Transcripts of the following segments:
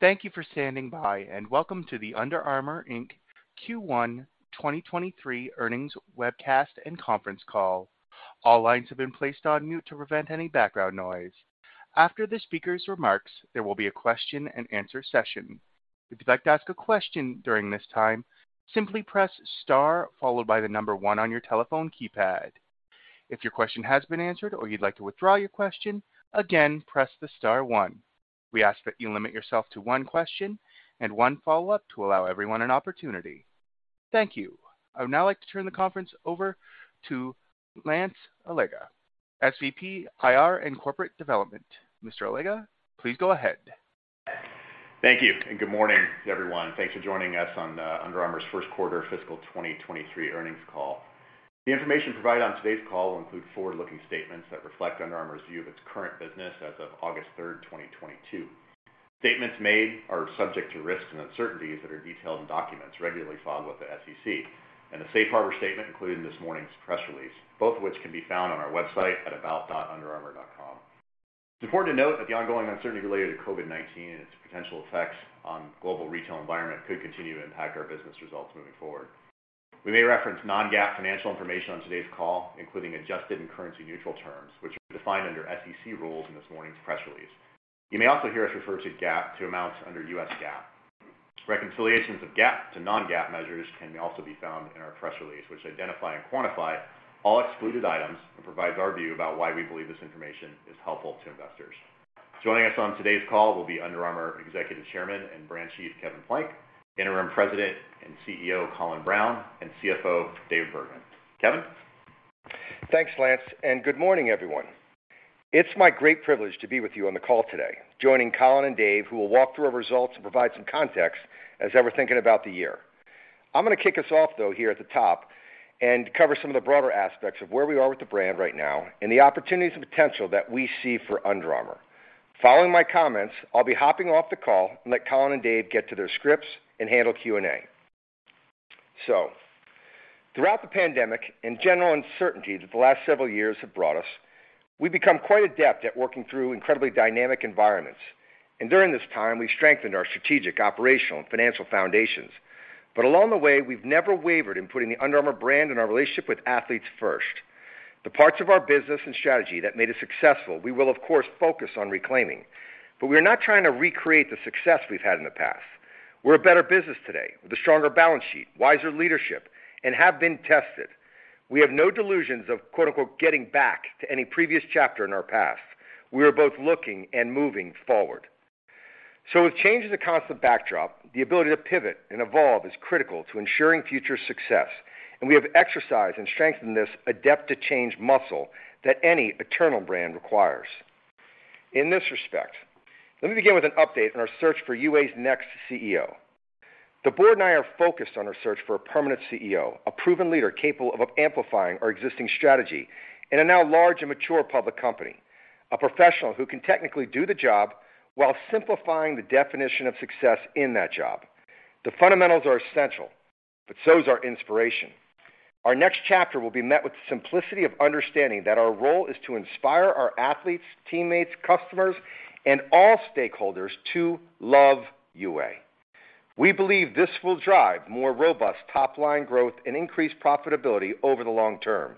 Thank you for standing by, and welcome to the Under Armour, Inc Q1 2023 Earnings Webcast and Conference Call. All lines have been placed on mute to prevent any background noise. After the speaker's remarks, there will be a question-and-answer session. If you'd like to ask a question during this time, simply press star followed by the number one on your telephone keypad. If your question has been answered or you'd like to withdraw your question, again, press the star one. We ask that you limit yourself to one question and one follow-up to allow everyone an opportunity. Thank you. I would now like to turn the conference over to Lance Allega, SVP IR and Corporate Development. Mr. Allega, please go ahead. Thank you, and good morning, everyone. Thanks for joining us on Under Armour's first quarter fiscal 2023 earnings call. The information provided on today's call will include forward-looking statements that reflect Under Armour's view of its current business as of August 3rd, 2022. Statements made are subject to risks and uncertainties that are detailed in documents regularly filed with the SEC and the safe harbor statement included in this morning's press release, both of which can be found on our website at about.underarmour.com. It's important to note that the ongoing uncertainty related to COVID-19 and its potential effects on global retail environment could continue to impact our business results moving forward. We may reference non-GAAP financial information on today's call, including adjusted and currency-neutral terms, which are defined under SEC rules in this morning's press release. You may also hear us refer to GAAP and to amounts under U.S. GAAP. Reconciliations of GAAP to non-GAAP measures can also be found in our press release, which identify and quantify all excluded items and provides our view about why we believe this information is helpful to investors. Joining us on today's call will be Under Armour Executive Chairman and Brand Chief, Kevin Plank; Interim President and CEO, Colin Browne; and CFO, David Bergman. Kevin? Thanks, Lance, and good morning, everyone. It's my great privilege to be with you on the call today, joining Colin and Dave, who will walk through our results and provide some context as they were thinking about the year. I'm gonna kick us off, though, here at the top and cover some of the broader aspects of where we are with the brand right now and the opportunities and potential that we see for Under Armour. Following my comments, I'll be hopping off the call and let Colin and Dave get to their scripts and handle Q&A. Throughout the pandemic and general uncertainty that the last several years have brought us, we've become quite adept at working through incredibly dynamic environments, and during this time, we've strengthened our strategic, operational, and financial foundations. Along the way, we've never wavered in putting the Under Armour brand and our relationship with athletes first. The parts of our business and strategy that made us successful, we will, of course, focus on reclaiming. We're not trying to recreate the success we've had in the past. We're a better business today with a stronger balance sheet, wiser leadership, and have been tested. We have no delusions of, quote, unquote, "getting back" to any previous chapter in our past. We are both looking and moving forward. With change as a constant backdrop, the ability to pivot and evolve is critical to ensuring future success, and we have exercised and strengthened this adept-to-change muscle that any eternal brand requires. In this respect, let me begin with an update on our search for UA's next CEO. The board and I are focused on our search for a permanent CEO, a proven leader capable of amplifying our existing strategy in a now large and mature public company. A professional who can technically do the job while simplifying the definition of success in that job. The fundamentals are essential, but so is our inspiration. Our next chapter will be met with the simplicity of understanding that our role is to inspire our athletes, teammates, customers, and all stakeholders to love UA. We believe this will drive more robust top-line growth and increased profitability over the long term.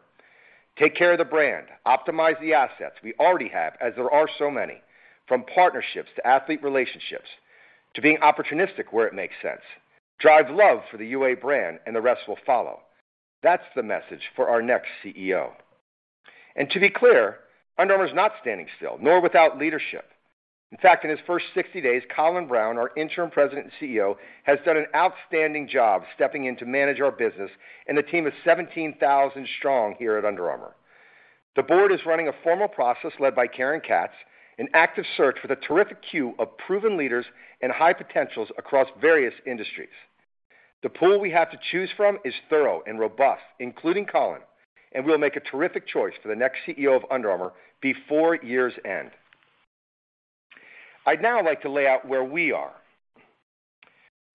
Take care of the brand, optimize the assets we already have, as there are so many, from partnerships to athlete relationships, to being opportunistic where it makes sense. Drive love for the UA brand and the rest will follow. That's the message for our next CEO. To be clear, Under Armour is not standing still nor without leadership. In fact, in his first 60 days, Colin Browne, our Interim President and CEO, has done an outstanding job stepping in to manage our business and a team of 17,000 strong here at Under Armour. The board is running a formal process led by Karen Katz, an active search with a terrific queue of proven leaders and high potentials across various industries. The pool we have to choose from is thorough and robust, including Colin, and we'll make a terrific choice for the next CEO of Under Armour before year's end. I'd now like to lay out where we are.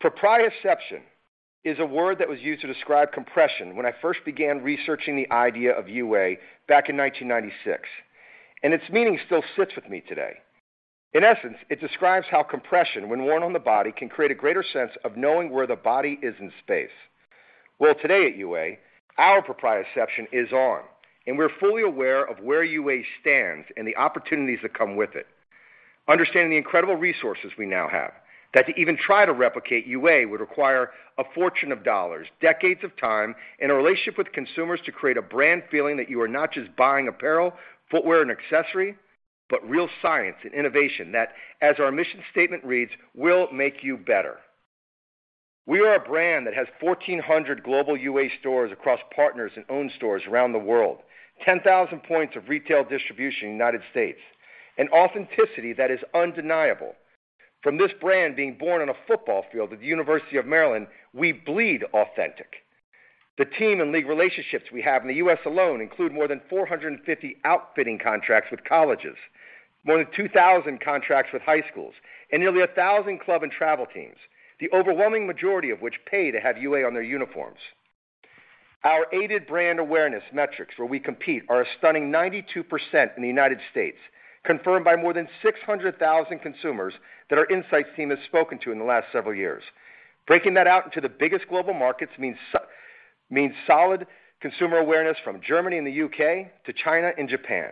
Proprioception is a word that was used to describe compression when I first began researching the idea of UA back in 1996, and its meaning still sits with me today. In essence, it describes how compression, when worn on the body, can create a greater sense of knowing where the body is in space. Well, today at UA, our proprioception is on, and we're fully aware of where UA stands and the opportunities that come with it. Understanding the incredible resources we now have, that to even try to replicate UA would require a fortune of dollars, decades of time, and a relationship with consumers to create a brand feeling that you are not just buying apparel, footwear, and accessory, but real science and innovation that, as our mission statement reads, will make you better. We are a brand that has 1,400 global UA stores across partners and owned stores around the world, 10,000 points of retail distribution in the United States, an authenticity that is undeniable. From this brand being born on a football field at the University of Maryland, we bleed authentic. The team and league relationships we have in the U.S. alone include more than 450 outfitting contracts with colleges, more than 2,000 contracts with high schools, and nearly 1,000 club and travel teams, the overwhelming majority of which pay to have UA on their uniforms. Our aided brand awareness metrics where we compete are a stunning 92% in the United States, confirmed by more than 600,000 consumers that our insights team has spoken to in the last several years. Breaking that out into the biggest global markets means solid consumer awareness from Germany and the U.K. to China and Japan.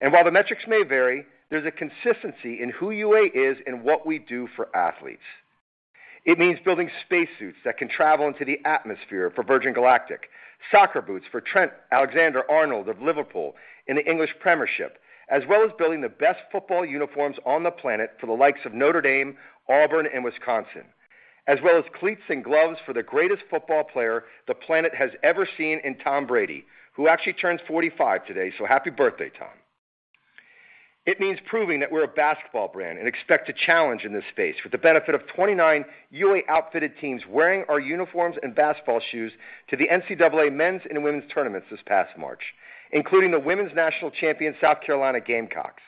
While the metrics may vary, there's a consistency in who UA is and what we do for athletes. It means building spacesuits that can travel into the atmosphere for Virgin Galactic, soccer boots for Trent Alexander-Arnold of Liverpool in the English Premiership, as well as building the best football uniforms on the planet for the likes of Notre Dame, Auburn, and Wisconsin, as well as cleats and gloves for the greatest football player the planet has ever seen in Tom Brady, who actually turns 45 today. Happy birthday, Tom. It means proving that we're a basketball brand and expect to challenge in this space for the benefit of 29 UA-outfitted teams wearing our uniforms and basketball shoes to the NCAA men's and women's tournaments this past March, including the women's national champion, South Carolina Gamecocks,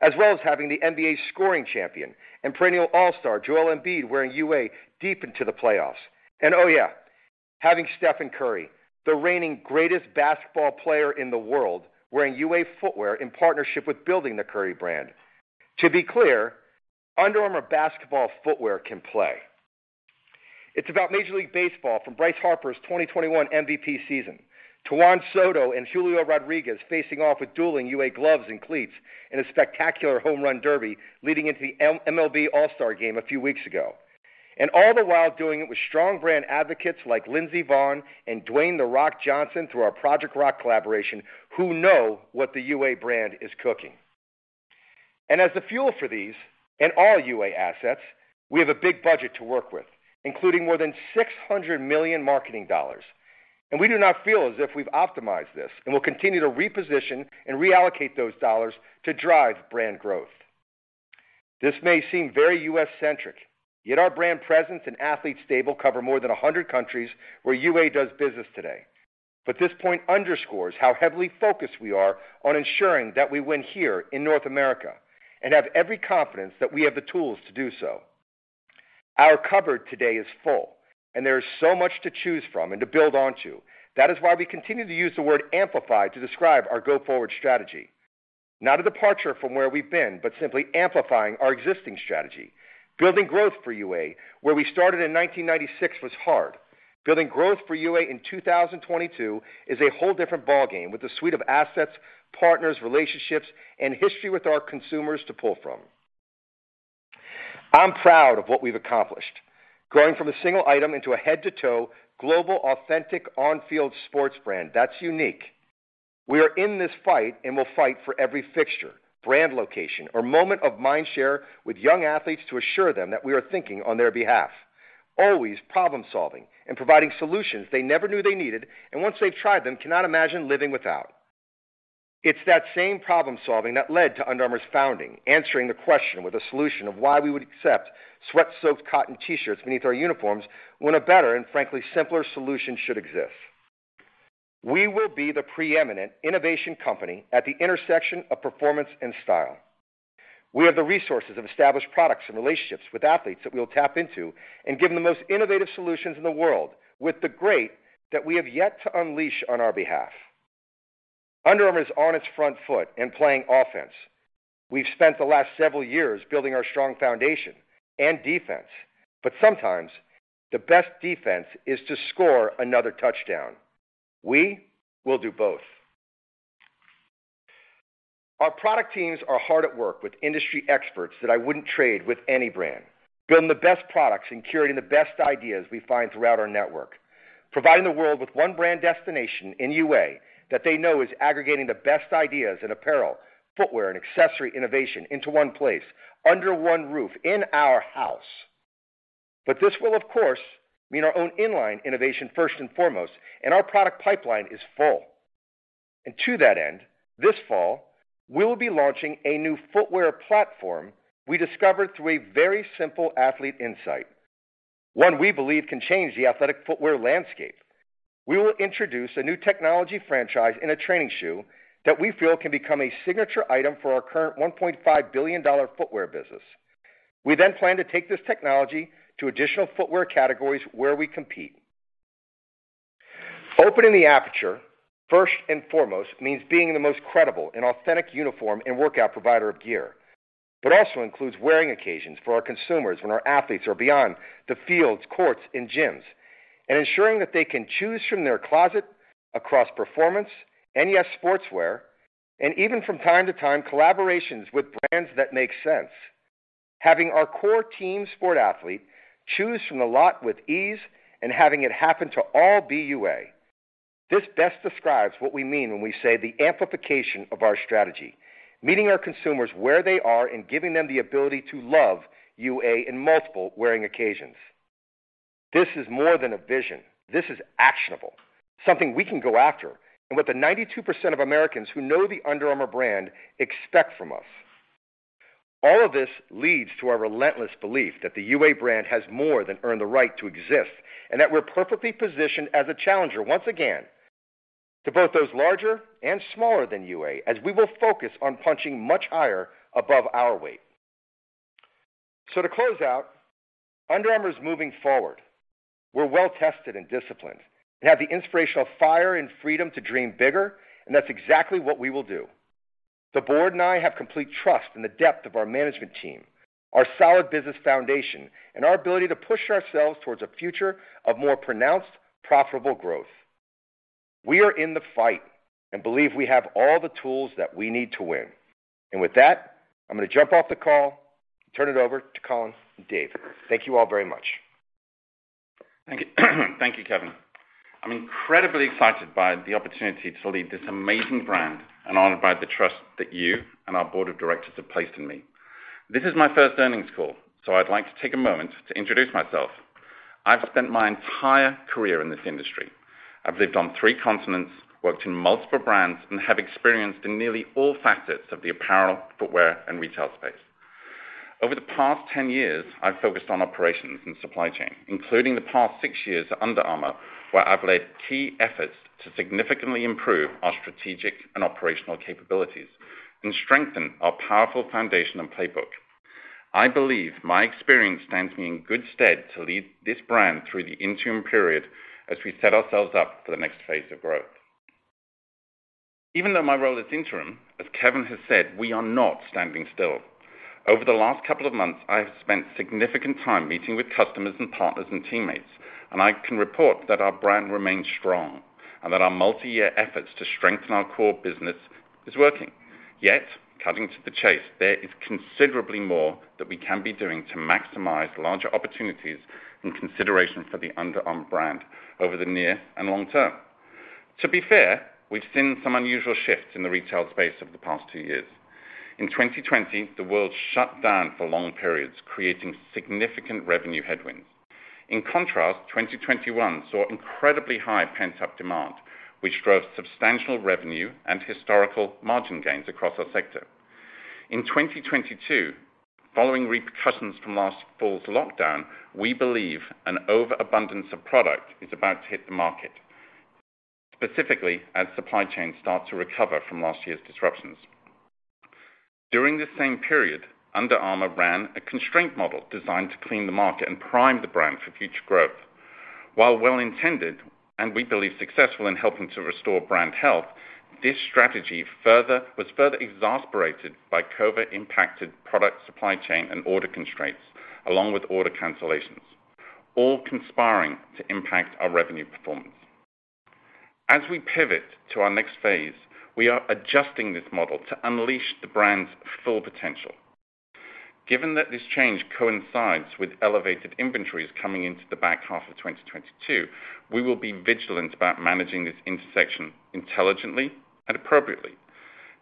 as well as having the NBA scoring champion and perennial All-Star, Joel Embiid, wearing UA deep into the playoffs. Oh yeah, having Stephen Curry, the reigning greatest basketball player in the world, wearing UA footwear in partnership with building the Curry Brand. To be clear, Under Armour basketball footwear can play. It's about Major League Baseball from Bryce Harper's 2021 MVP season to Juan Soto and Julio Rodríguez facing off with dueling UA gloves and cleats in a spectacular home run derby leading into the MLB All-Star Game a few weeks ago. All the while doing it with strong brand advocates like Lindsey Vonn and Dwayne The Rock Johnson through our Project Rock collaboration, who know what the UA brand is cooking. As the fuel for these and all UA assets, we have a big budget to work with, including more than $600 million marketing dollars. We do not feel as if we've optimized this, and we'll continue to reposition and reallocate those dollars to drive brand growth. This may seem very U.S.-centric, yet our brand presence and athlete stable cover more than 100 countries where UA does business today. This point underscores how heavily focused we are on ensuring that we win here in North America and have every confidence that we have the tools to do so. Our cupboard today is full, and there is so much to choose from and to build onto. That is why we continue to use the word amplify to describe our go-forward strategy. Not a departure from where we've been, but simply amplifying our existing strategy. Building growth for UA, where we started in 1996 was hard. Building growth for UA in 2022 is a whole different ballgame with a suite of assets, partners, relationships, and history with our consumers to pull from. I'm proud of what we've accomplished, growing from a single item into a head-to-toe global authentic on-field sports brand that's unique. We are in this fight and will fight for every fixture, brand location, or moment of mind share with young athletes to assure them that we are thinking on their behalf, always problem-solving and providing solutions they never knew they needed, and once they've tried them, cannot imagine living without. It's that same problem-solving that led to Under Armour's founding, answering the question with a solution of why we would accept sweat-soaked cotton T-shirts beneath our uniforms when a better and, frankly, simpler solution should exist? We will be the preeminent innovation company at the intersection of performance and style. We have the resources of established products and relationships with athletes that we'll tap into and deliver the most innovative solutions in the world with the greats that we have yet to unleash on our behalf. Under Armour is on its front foot and playing offense. We've spent the last several years building our strong foundation and defense, but sometimes the best defense is to score another touchdown. We will do both. Our product teams are hard at work with industry experts that I wouldn't trade for any brand, building the best products and curating the best ideas we find throughout our network, providing the world with one brand destination in UA that they know is aggregating the best ideas in apparel, footwear, and accessories innovation into one place, under one roof in our house. This will, of course, mean our own inline innovation first and foremost, and our product pipeline is full. To that end, this fall, we will be launching a new footwear platform we discovered through a very simple athlete insight, one we believe can change the athletic footwear landscape. We will introduce a new technology franchise in a training shoe that we feel can become a signature item for our current $1.5 billion footwear business. We then plan to take this technology to additional footwear categories where we compete. Opening the aperture, first and foremost, means being the most credible and authentic uniform and workout provider of gear. It also includes wearing occasions for our consumers when our athletes are beyond the fields, courts, and gyms, and ensuring that they can choose from their closet across performance and, yes, sportswear, and even from time to time, collaborations with brands that make sense. Having our core team sport athlete choose from the lot with ease and having it happen to all be UA. This best describes what we mean when we say the amplification of our strategy, meeting our consumers where they are and giving them the ability to love UA in multiple wearing occasions. This is more than a vision. This is actionable, something we can go after, and what the 92% of Americans who know the Under Armour brand expect from us. All of this leads to our relentless belief that the UA brand has more than earned the right to exist, and that we're perfectly positioned as a challenger, once again, to both those larger and smaller than UA, as we will focus on punching much higher above our weight. To close out, Under Armour is moving forward. We're well-tested and disciplined and have the inspirational fire and freedom to dream bigger, and that's exactly what we will do. The board and I have complete trust in the depth of our management team, our solid business foundation, and our ability to push ourselves towards a future of more pronounced, profitable growth. We are in the fight and believe we have all the tools that we need to win. And with that, I'm gonna jump off the call and turn it over to Colin and Dave. Thank you all very much. Thank you. Thank you, Kevin. I'm incredibly excited by the opportunity to lead this amazing brand and honored by the trust that you and our board of directors have placed in me. This is my first earnings call, so I'd like to take a moment to introduce myself. I've spent my entire career in this industry. I've lived on three continents, worked in multiple brands, and have experience in nearly all facets of the apparel, footwear, and retail space. Over the past 10 years, I've focused on operations and supply chain, including the past six years at Under Armour, where I've led key efforts to significantly improve our strategic and operational capabilities and strengthen our powerful foundation and playbook. I believe my experience stands me in good stead to lead this brand through the interim period as we set ourselves up for the next phase of growth. Even though my role is interim, as Kevin has said, we are not standing still. Over the last couple of months, I have spent significant time meeting with customers and partners and teammates, and I can report that our brand remains strong and that our multi-year efforts to strengthen our core business is working. Yet, cutting to the chase, there is considerably more that we can be doing to maximize larger opportunities and consideration for the Under Armour brand over the near and long term. To be fair, we've seen some unusual shifts in the retail space over the past two years. In 2020, the world shut down for long periods, creating significant revenue headwinds. In contrast, 2021 saw incredibly high pent-up demand, which drove substantial revenue and historical margin gains across our sector. In 2022, following repercussions from last fall's lockdown, we believe an overabundance of product is about to hit the market, specifically as supply chains start to recover from last year's disruptions. During this same period, Under Armour ran a constraint model designed to clean the market and prime the brand for future growth. While well-intended, and we believe successful in helping to restore brand health, this strategy was further exasperated by COVID-impacted product supply chain and order constraints, along with order cancellations, all conspiring to impact our revenue performance. As we pivot to our next phase, we are adjusting this model to unleash the brand's full potential. Given that this change coincides with elevated inventories coming into the back half of 2022, we will be vigilant about managing this intersection intelligently and appropriately.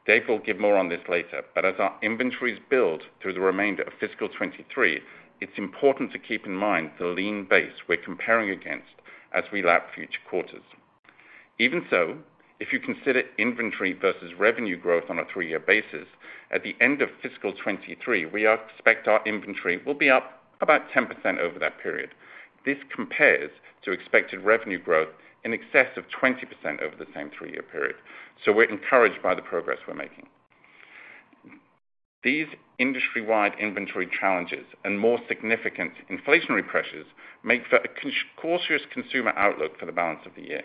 Dave will give more on this later, but as our inventories build through the remainder of fiscal 2023, it's important to keep in mind the lean base we're comparing against as we lap future quarters. Even so, if you consider inventory versus revenue growth on a three-year basis, at the end of fiscal 2023, we expect our inventory will be up about 10% over that period. This compares to expected revenue growth in excess of 20% over the same three-year period. We're encouraged by the progress we're making. These industry-wide inventory challenges and more significant inflationary pressures make for a cautious consumer outlook for the balance of the year.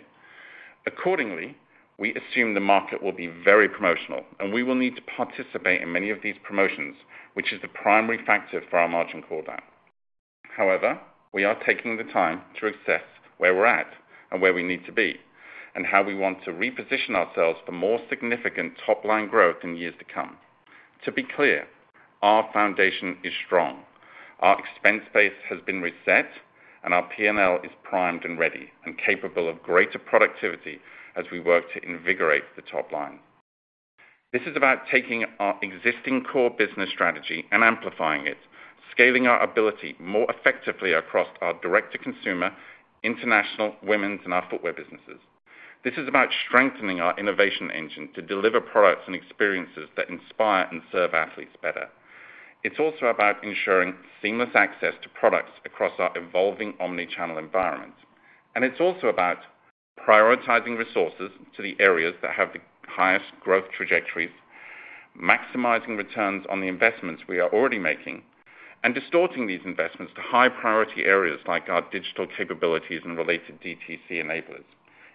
Accordingly, we assume the market will be very promotional, and we will need to participate in many of these promotions, which is the primary factor for our margin call-down. However, we are taking the time to assess where we're at and where we need to be, and how we want to reposition ourselves for more significant top-line growth in years to come. To be clear, our foundation is strong. Our expense base has been reset and our P&L is primed and ready and capable of greater productivity as we work to invigorate the top line. This is about taking our existing core business strategy and amplifying it, scaling our ability more effectively across our direct-to-consumer, international, women's, and our footwear businesses. This is about strengthening our innovation engine to deliver products and experiences that inspire and serve athletes better. It's also about ensuring seamless access to products across our evolving omnichannel environment. It's also about prioritizing resources to the areas that have the highest growth trajectories, maximizing returns on the investments we are already making, and distorting these investments to high-priority areas like our digital capabilities and related DTC enablers,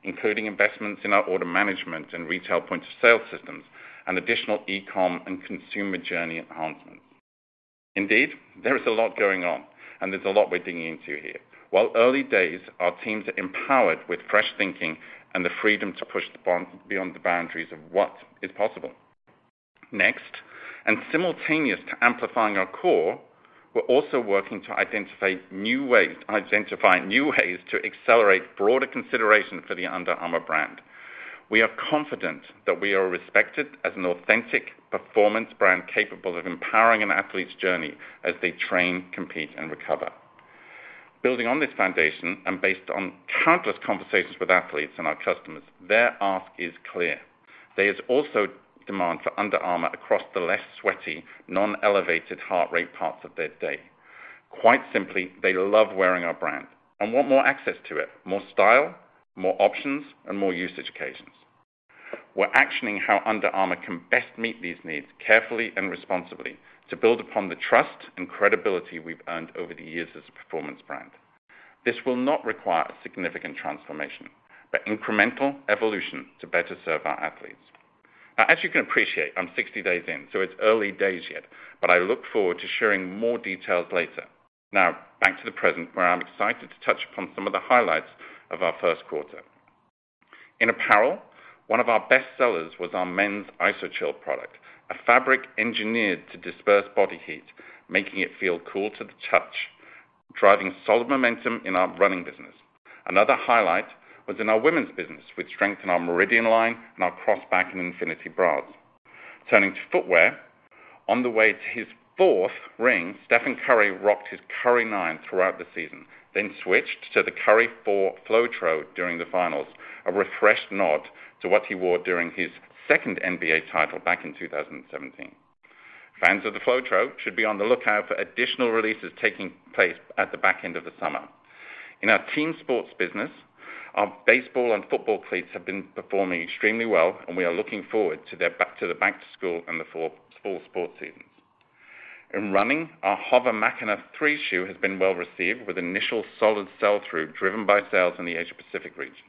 including investments in our order management and retail point-of-sale systems and additional e-com and consumer journey enhancements. Indeed, there is a lot going on, and there's a lot we're digging into here. While early days, our teams are empowered with fresh thinking and the freedom to push the boundaries of what is possible. Next, and simultaneous to amplifying our core, we're also working to identify new ways to accelerate broader consideration for the Under Armour brand. We are confident that we are respected as an authentic performance brand capable of empowering an athlete's journey as they train, compete, and recover. Building on this foundation, and based on countless conversations with athletes and our customers, their ask is clear. There is also demand for Under Armour across the less sweaty, non-elevated heart rate parts of their day. Quite simply, they love wearing our brand and want more access to it, more style, more options, and more use occasions. We're actioning how Under Armour can best meet these needs carefully and responsibly to build upon the trust and credibility we've earned over the years as a performance brand. This will not require a significant transformation, but incremental evolution to better serve our athletes. Now, as you can appreciate, I'm 60 days in, so it's early days yet, but I look forward to sharing more details later. Now back to the present, where I'm excited to touch upon some of the highlights of our first quarter. In apparel, one of our best sellers was our men's Iso-Chill product, a fabric engineered to disperse body heat, making it feel cool to the touch, driving solid momentum in our running business. Another highlight was in our women's business, which strengthened our Meridian line and our Crossback and Infinity bras. Turning to footwear. On the way to his fourth ring, Stephen Curry rocked his Curry 9 throughout the season, then switched to the Curry 4 FloTro during the finals. A refreshed nod to what he wore during his second NBA in 2017. Fans of the FloTro should be on the lookout for additional releases taking place at the back end of the summer. In our team sports business, our baseball and football cleats have been performing extremely well, and we are looking forward to the back to school and the fall sports seasons. In running, our HOVR Machina 3 shoe has been well received with initial solid sell-through, driven by sales in the Asia Pacific region.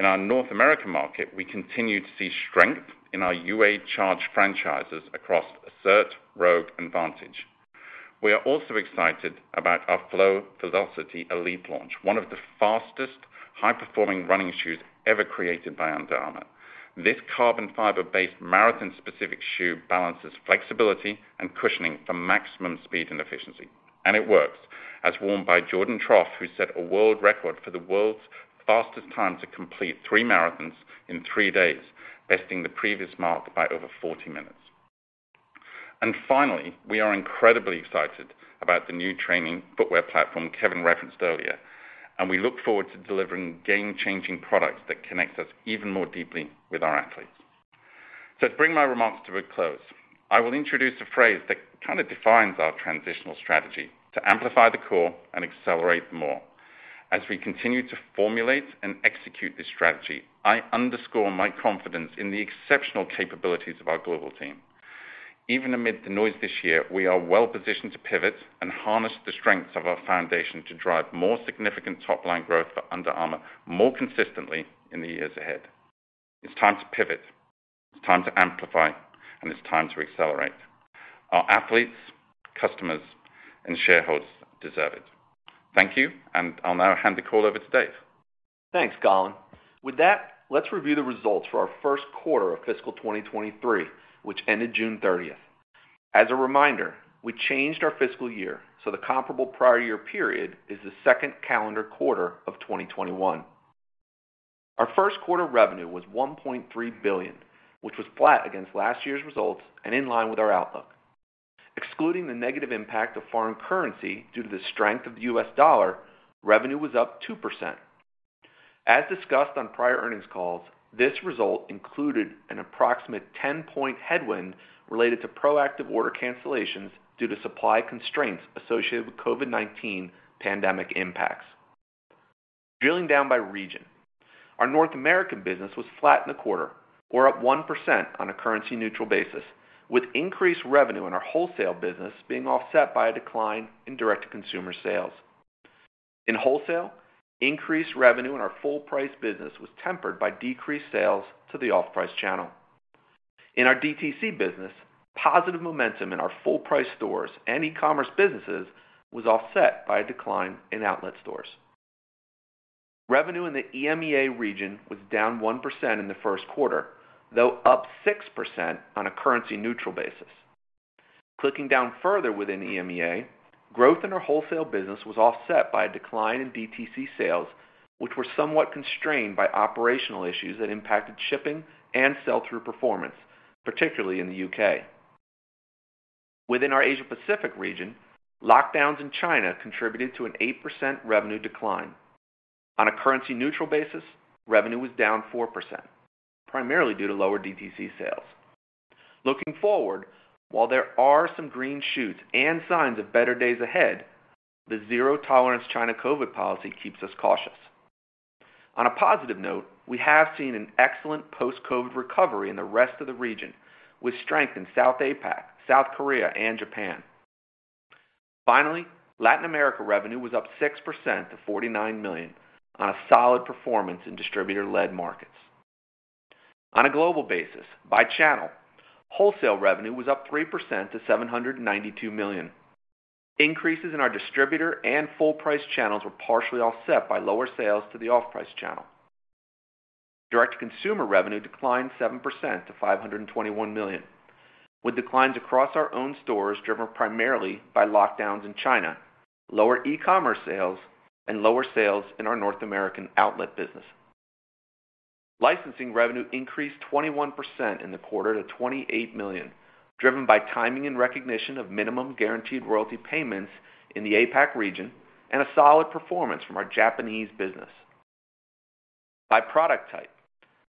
In our North American market, we continue to see strength in our UA Charged franchises across Assert, Rogue, and Vantage. We are also excited about our Flow Velociti Elite launch, one of the fastest high-performing running shoes ever created by Under Armour. This carbon fiber-based marathon-specific shoe balances flexibility and cushioning for maximum speed and efficiency. It works, as worn by Jordan Tropf, who set a world record for the world's fastest time to complete three marathons in three days, besting the previous mark by over 40 minutes. Finally, we are incredibly excited about the new training footwear platform Kevin referenced earlier, and we look forward to delivering game-changing products that connect us even more deeply with our athletes. To bring my remarks to a close, I will introduce a phrase that kind of defines our transitional strategy to amplify the core and accelerate more. As we continue to formulate and execute this strategy, I underscore my confidence in the exceptional capabilities of our global team. Even amid the noise this year, we are well-positioned to pivot and harness the strengths of our foundation to drive more significant top-line growth for Under Armour more consistently in the years ahead. It's time to pivot, it's time to amplify, and it's time to accelerate. Our athletes, customers, and shareholders deserve it. Thank you. I'll now hand the call over to David. Thanks, Colin. With that, let's review the results for our first quarter of fiscal 2023, which ended June 30. As a reminder, we changed our fiscal year, so the comparable prior year period is the second calendar quarter of 2021. Our first quarter revenue was $1.3 billion, which was flat against last year's results and in line with our outlook. Excluding the negative impact of foreign currency due to the strength of the U.S. dollar, revenue was up 2%. As discussed on prior earnings calls, this result included an approximate 10-point headwind related to proactive order cancellations due to supply constraints associated with COVID-19 pandemic impacts. Drilling down by region, our North American business was flat in the quarter, or up 1% on a currency-neutral basis, with increased revenue in our wholesale business being offset by a decline in direct-to-consumer sales. In wholesale, increased revenue in our full-price business was tempered by decreased sales to the off-price channel. In our DTC business, positive momentum in our full-price stores and e-commerce businesses was offset by a decline in outlet stores. Revenue in the EMEA region was down 1% in the first quarter, though up 6% on a currency-neutral basis. Clicking down further within EMEA, growth in our wholesale business was offset by a decline in DTC sales, which were somewhat constrained by operational issues that impacted shipping and sell-through performance, particularly in the U.K. Within our Asia Pacific region, lockdowns in China contributed to an 8% revenue decline. On a currency-neutral basis, revenue was down 4%, primarily due to lower DTC sales. Looking forward, while there are some green shoots and signs of better days ahead, the zero-tolerance China COVID policy keeps us cautious. On a positive note, we have seen an excellent post-COVID recovery in the rest of the region, with strength in South APAC, South Korea, and Japan. Latin America revenue was up 6% to $49 million on a solid performance in distributor-led markets. On a global basis, by channel, wholesale revenue was up 3% to $792 million. Increases in our distributor and full-price channels were partially offset by lower sales to the off-price channel. Direct-to-consumer revenue declined 7% to $521 million, with declines across our own stores driven primarily by lockdowns in China, lower e-commerce sales, and lower sales in our North American outlet business. Licensing revenue increased 21% in the quarter to $28 million, driven by timing and recognition of minimum guaranteed royalty payments in the APAC region and a solid performance from our Japanese business. By product type,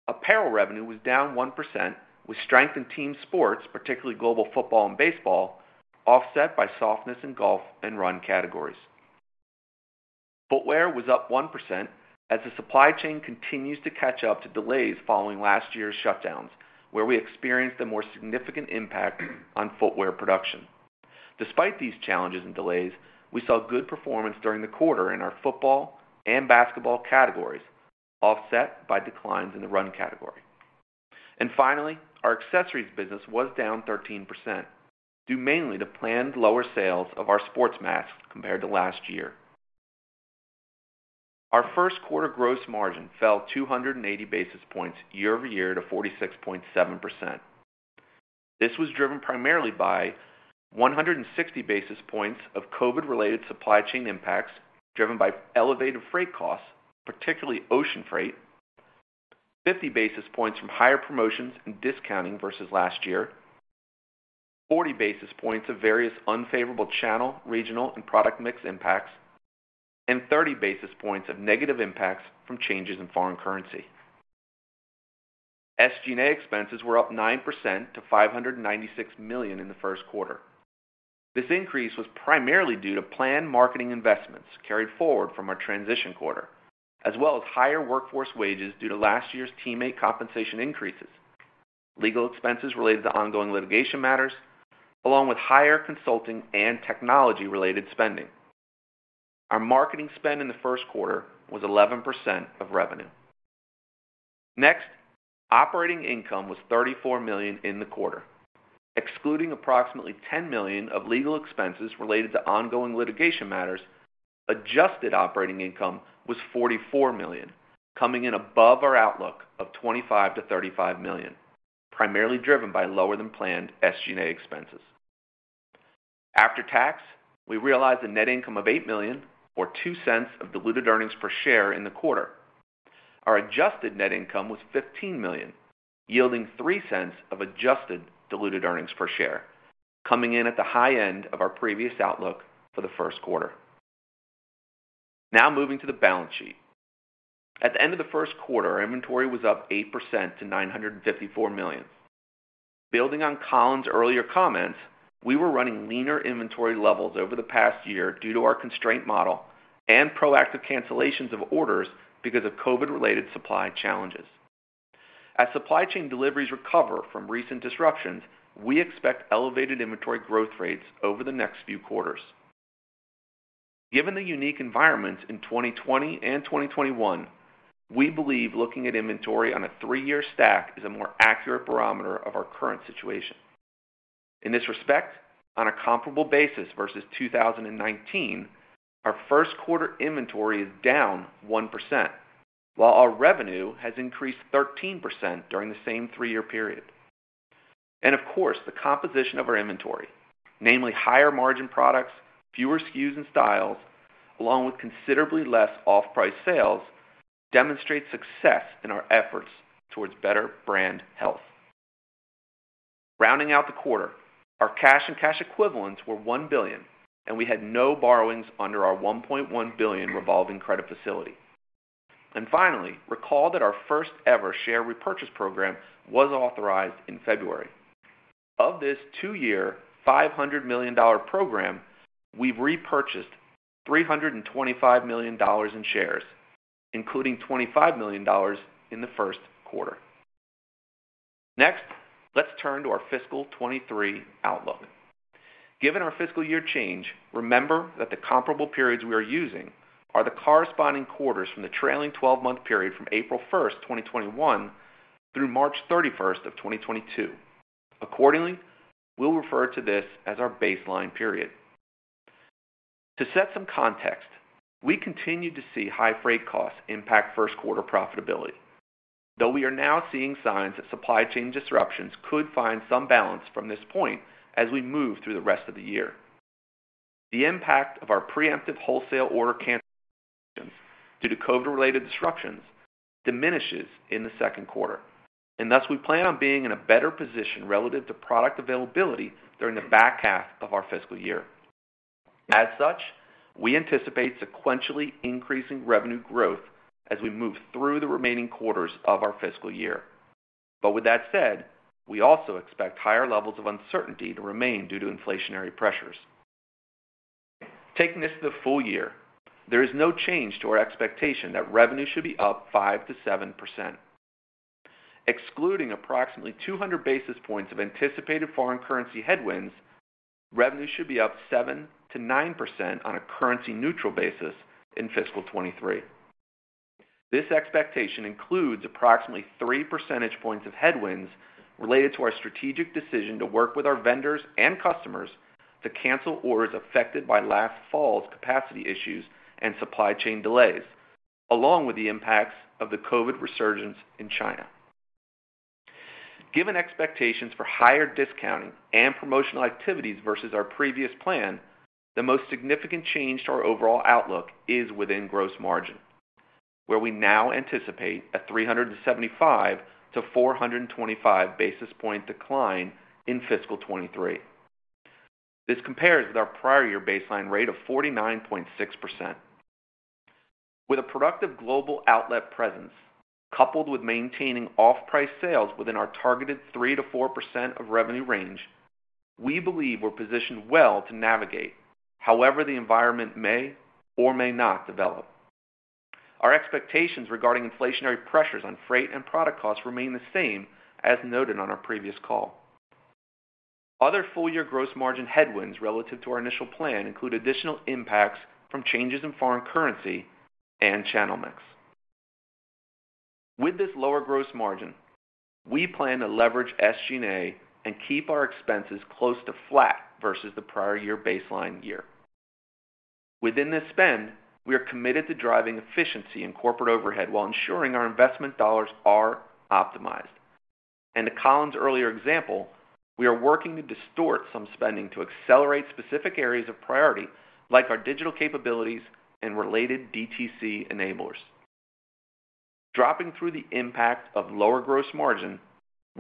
apparel revenue was down 1%, with strength in team sports, particularly global football and baseball, offset by softness in golf and run categories. Footwear was up 1% as the supply chain continues to catch up to delays following last year's shutdowns, where we experienced a more significant impact on footwear production. Despite these challenges and delays, we saw good performance during the quarter in our football and basketball categories, offset by declines in the run category. Finally, our accessories business was down 13%, due mainly to planned lower sales of our sports masks compared to last year. Our first quarter gross margin fell 280 basis points year-over-year to 46.7%. This was driven primarily by 160 basis points of COVID-related supply chain impacts, driven by elevated freight costs, particularly ocean freight, 50 basis points from higher promotions and discounting versus last year, 40 basis points of various unfavorable channel, regional, and product mix impacts, and 30 basis points of negative impacts from changes in foreign currency. SG&A expenses were up 9% to $596 million in the first quarter. This increase was primarily due to planned marketing investments carried forward from our transition quarter, as well as higher workforce wages due to last year's teammate compensation increases, legal expenses related to ongoing litigation matters, along with higher consulting and technology-related spending. Our marketing spend in the first quarter was 11% of revenue. Next, operating income was $34 million in the quarter. Excluding approximately $10 million of legal expenses related to ongoing litigation matters, adjusted operating income was $44 million, coming in above our outlook of $25 million-$35 million, primarily driven by lower than planned SG&A expenses. After tax, we realized a net income of $8 million or $0.02 of diluted earnings per share in the quarter. Our adjusted net income was $15 million, yielding $0.03 of adjusted diluted earnings per share, coming in at the high end of our previous outlook for the first quarter. Now moving to the balance sheet. At the end of the first quarter, inventory was up 8% to $954 million. Building on Colin's earlier comments, we were running leaner inventory levels over the past year due to our constraint model and proactive cancellations of orders because of COVID-related supply challenges. As supply chain deliveries recover from recent disruptions, we expect elevated inventory growth rates over the next few quarters. Given the unique environments in 2020 and 2021, we believe looking at inventory on a three-year stack is a more accurate barometer of our current situation. In this respect, on a comparable basis versus 2019, our first quarter inventory is down 1%, while our revenue has increased 13% during the same three-year period. Of course, the composition of our inventory, namely higher margin products, fewer SKUs and styles, along with considerably less off-price sales, demonstrate success in our efforts towards better brand health. Rounding out the quarter, our cash and cash equivalents were $1 billion, and we had no borrowings under our $1.1 billion revolving credit facility. Finally, recall that our first-ever share repurchase program was authorized in February. Of this two-year, $500 million program, we've repurchased $325 million in shares, including $25 million in the first quarter. Next, let's turn to our fiscal 2023 outlook. Given our fiscal year change, remember that the comparable periods we are using are the corresponding quarters from the trailing 12-month period from April 1st, 2021 through March 31st, 2022. Accordingly, we'll refer to this as our baseline period. To set some context, we continue to see high freight costs impact first quarter profitability, though we are now seeing signs that supply chain disruptions could find some balance from this point as we move through the rest of the year. The impact of our preemptive wholesale order cancellations due to COVID-related disruptions diminishes in the second quarter, and thus we plan on being in a better position relative to product availability during the back half of our fiscal year. As such, we anticipate sequentially increasing revenue growth as we move through the remaining quarters of our fiscal year. With that said, we also expect higher levels of uncertainty to remain due to inflationary pressures. Taking this to the full year, there is no change to our expectation that revenue should be up 5%-7%. Excluding approximately 200 basis points of anticipated foreign currency headwinds, revenue should be up 7%-9% on a currency neutral basis in fiscal 2023. This expectation includes approximately 3 percentage points of headwinds related to our strategic decision to work with our vendors and customers to cancel orders affected by last fall's capacity issues and supply chain delays, along with the impacts of the COVID resurgence in China. Given expectations for higher discounting and promotional activities versus our previous plan, the most significant change to our overall outlook is within gross margin, where we now anticipate a 375-425 basis point decline in fiscal 2023. This compares with our prior year baseline rate of 49.6%. With a productive global outlet presence, coupled with maintaining off-price sales within our targeted 3%-4% of revenue range. We believe we're positioned well to navigate however the environment may or may not develop. Our expectations regarding inflationary pressures on freight and product costs remain the same as noted on our previous call. Other full-year gross margin headwinds relative to our initial plan include additional impacts from changes in foreign currency and channel mix. With this lower gross margin, we plan to leverage SG&A and keep our expenses close to flat versus the prior year baseline year. Within this spend, we are committed to driving efficiency in corporate overhead while ensuring our investment dollars are optimized. To Colin’s earlier example, we are working to distort some spending to accelerate specific areas of priority, like our digital capabilities and related DTC enablers. Dropping through the impact of lower gross margin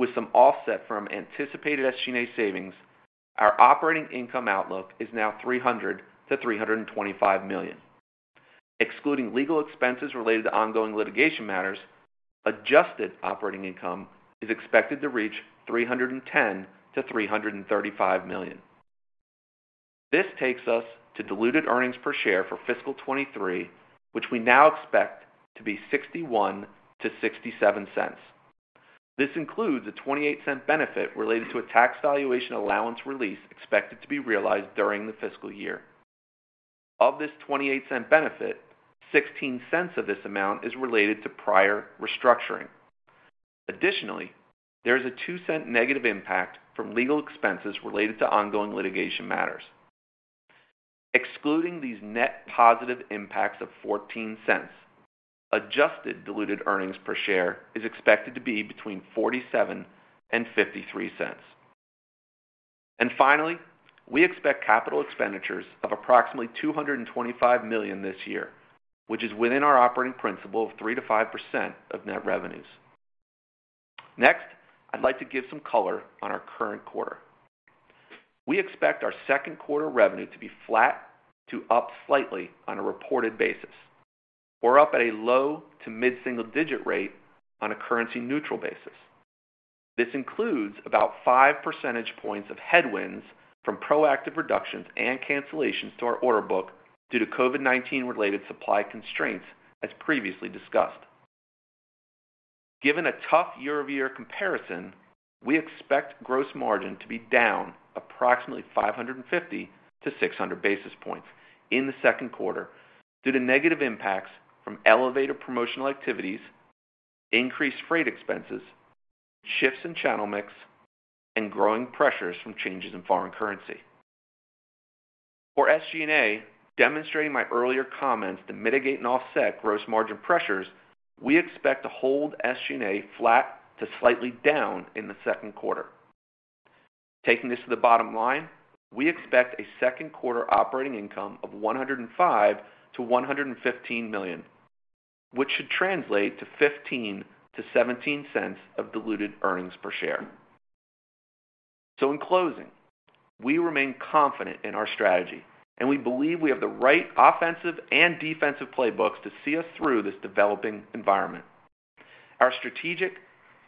with some offset from anticipated SG&A savings, our operating income outlook is now $300 million-$325 million. Excluding legal expenses related to ongoing litigation matters, adjusted operating income is expected to reach $310 million-$335 million. This takes us to diluted earnings per share for fiscal 2023, which we now expect to be $0.61-$0.67. This includes a $0.28 benefit related to a tax valuation allowance release expected to be realized during the fiscal year. Of this $0.28 benefit, $0.16 of this amount is related to prior restructuring. Additionally, there is a $0.02 negative impact from legal expenses related to ongoing litigation matters. Excluding these net positive impacts of $0.14, adjusted diluted earnings per share is expected to be between $0.47 and $0.53. Finally, we expect capital expenditures of approximately $225 million this year, which is within our operating principle of 3%-5% of net revenues. Next, I'd like to give some color on our current quarter. We expect our second quarter revenue to be flat to up slightly on a reported basis or up at a low- to mid-single-digit rate on a currency neutral basis. This includes about 5 percentage points of headwinds from proactive reductions and cancellations to our order book due to COVID-19 related supply constraints, as previously discussed. Given a tough year-over-year comparison, we expect gross margin to be down approximately 550-600 basis points in the second quarter due to negative impacts from elevated promotional activities, increased freight expenses, shifts in channel mix, and growing pressures from changes in foreign currency. For SG&A, demonstrating my earlier comments to mitigate and offset gross margin pressures, we expect to hold SG&A flat to slightly down in the second quarter. Taking this to the bottom line, we expect a second quarter operating income of $105 million-$115 million, which should translate to $0.15-$0.17 of diluted earnings per share. In closing, we remain confident in our strategy, and we believe we have the right offensive and defensive playbooks to see us through this developing environment. Our strategic,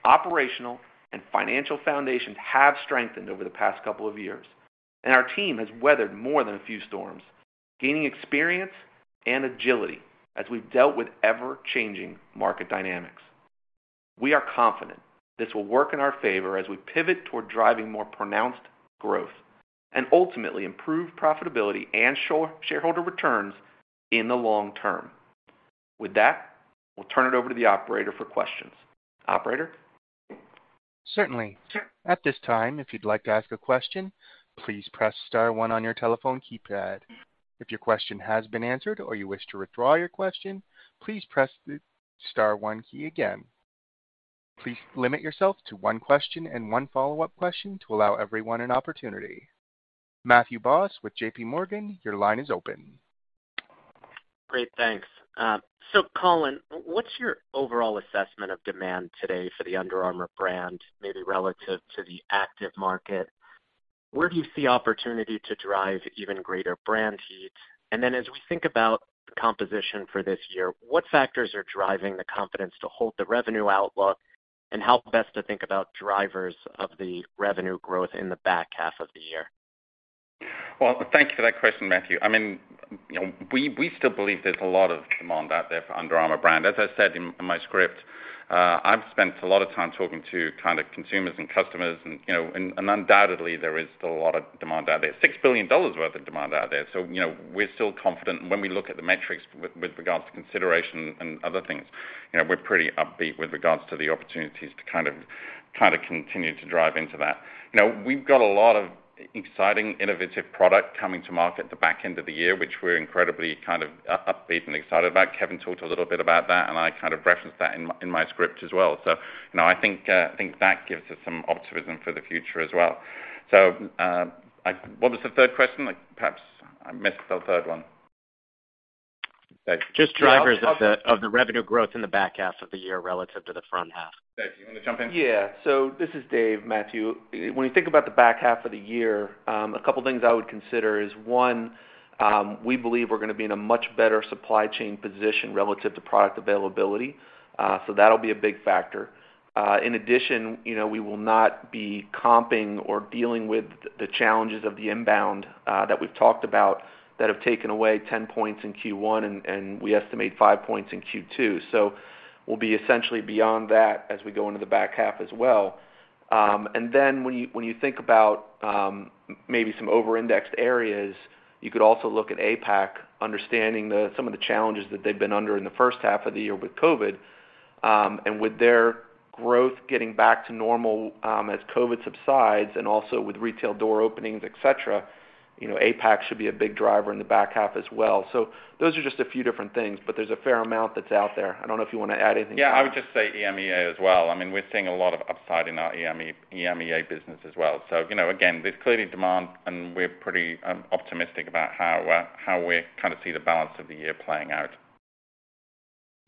operational, and financial foundations have strengthened over the past couple of years, and our team has weathered more than a few storms, gaining experience and agility as we've dealt with ever-changing market dynamics. We are confident this will work in our favor as we pivot toward driving more pronounced growth and ultimately improve profitability and shareholder returns in the long term. With that, we'll turn it over to the operator for questions. Operator? Certainly. At this time, if you'd like to ask a question, please press star one on your telephone keypad. If your question has been answered or you wish to withdraw your question, please press the star one key again. Please limit yourself to one question and one follow-up question to allow everyone an opportunity. Matthew Boss with JPMorgan, your line is open. Great, thanks. Colin, what's your overall assessment of demand today for the Under Armour brand, maybe relative to the active market? Where do you see opportunity to drive even greater brand heat? And then as we think about composition for this year, what factors are driving the confidence to hold the revenue outlook? And how best to think about drivers of the revenue growth in the back half of the year? Well, thank you for that question, Matthew. I mean, you know, we still believe there's a lot of demand out there for Under Armour brand. As I said in my script, I've spent a lot of time talking to kind of consumers and customers and, you know, and undoubtedly there is still a lot of demand out there, $6 billion worth of demand out there. You know, we're still confident when we look at the metrics with regards to consideration and other things. You know, we're pretty upbeat with regards to the opportunities to kind of continue to drive into that. Now, we've got a lot of exciting, innovative product coming to market at the back end of the year, which we're incredibly kind of upbeat and excited about. Kevin talked a little bit about that, and I kind of referenced that in my script as well. You know, I think that gives us some optimism for the future as well. What was the third question? Perhaps I missed the third one. Just drivers of the revenue growth in the back half of the year relative to the front half. Dave, do you wanna jump in? Yeah. This is Dave, Matthew. When you think about the back half of the year, a couple things I would consider is, one, we believe we're gonna be in a much better supply chain position relative to product availability. That'll be a big factor. In addition, you know, we will not be comping or dealing with the challenges of the inbound that we've talked about that have taken away 10 points in Q1, and we estimate 5 points in Q2. We'll be essentially beyond that as we go into the back half as well. Then when you think about maybe some over-indexed areas, you could also look at APAC, understanding some of the challenges that they've been under in the first half of the year with COVID. With their growth getting back to normal, as COVID subsides and also with retail door openings, et cetera, you know, APAC should be a big driver in the back half as well. Those are just a few different things, but there's a fair amount that's out there. I don't know if you wanna add anything to that? Yeah, I would just say EMEA as well. I mean, we're seeing a lot of upside in our EMEA business as well. You know, again, there's clearly demand, and we're pretty optimistic about how we kind of see the balance of the year playing out.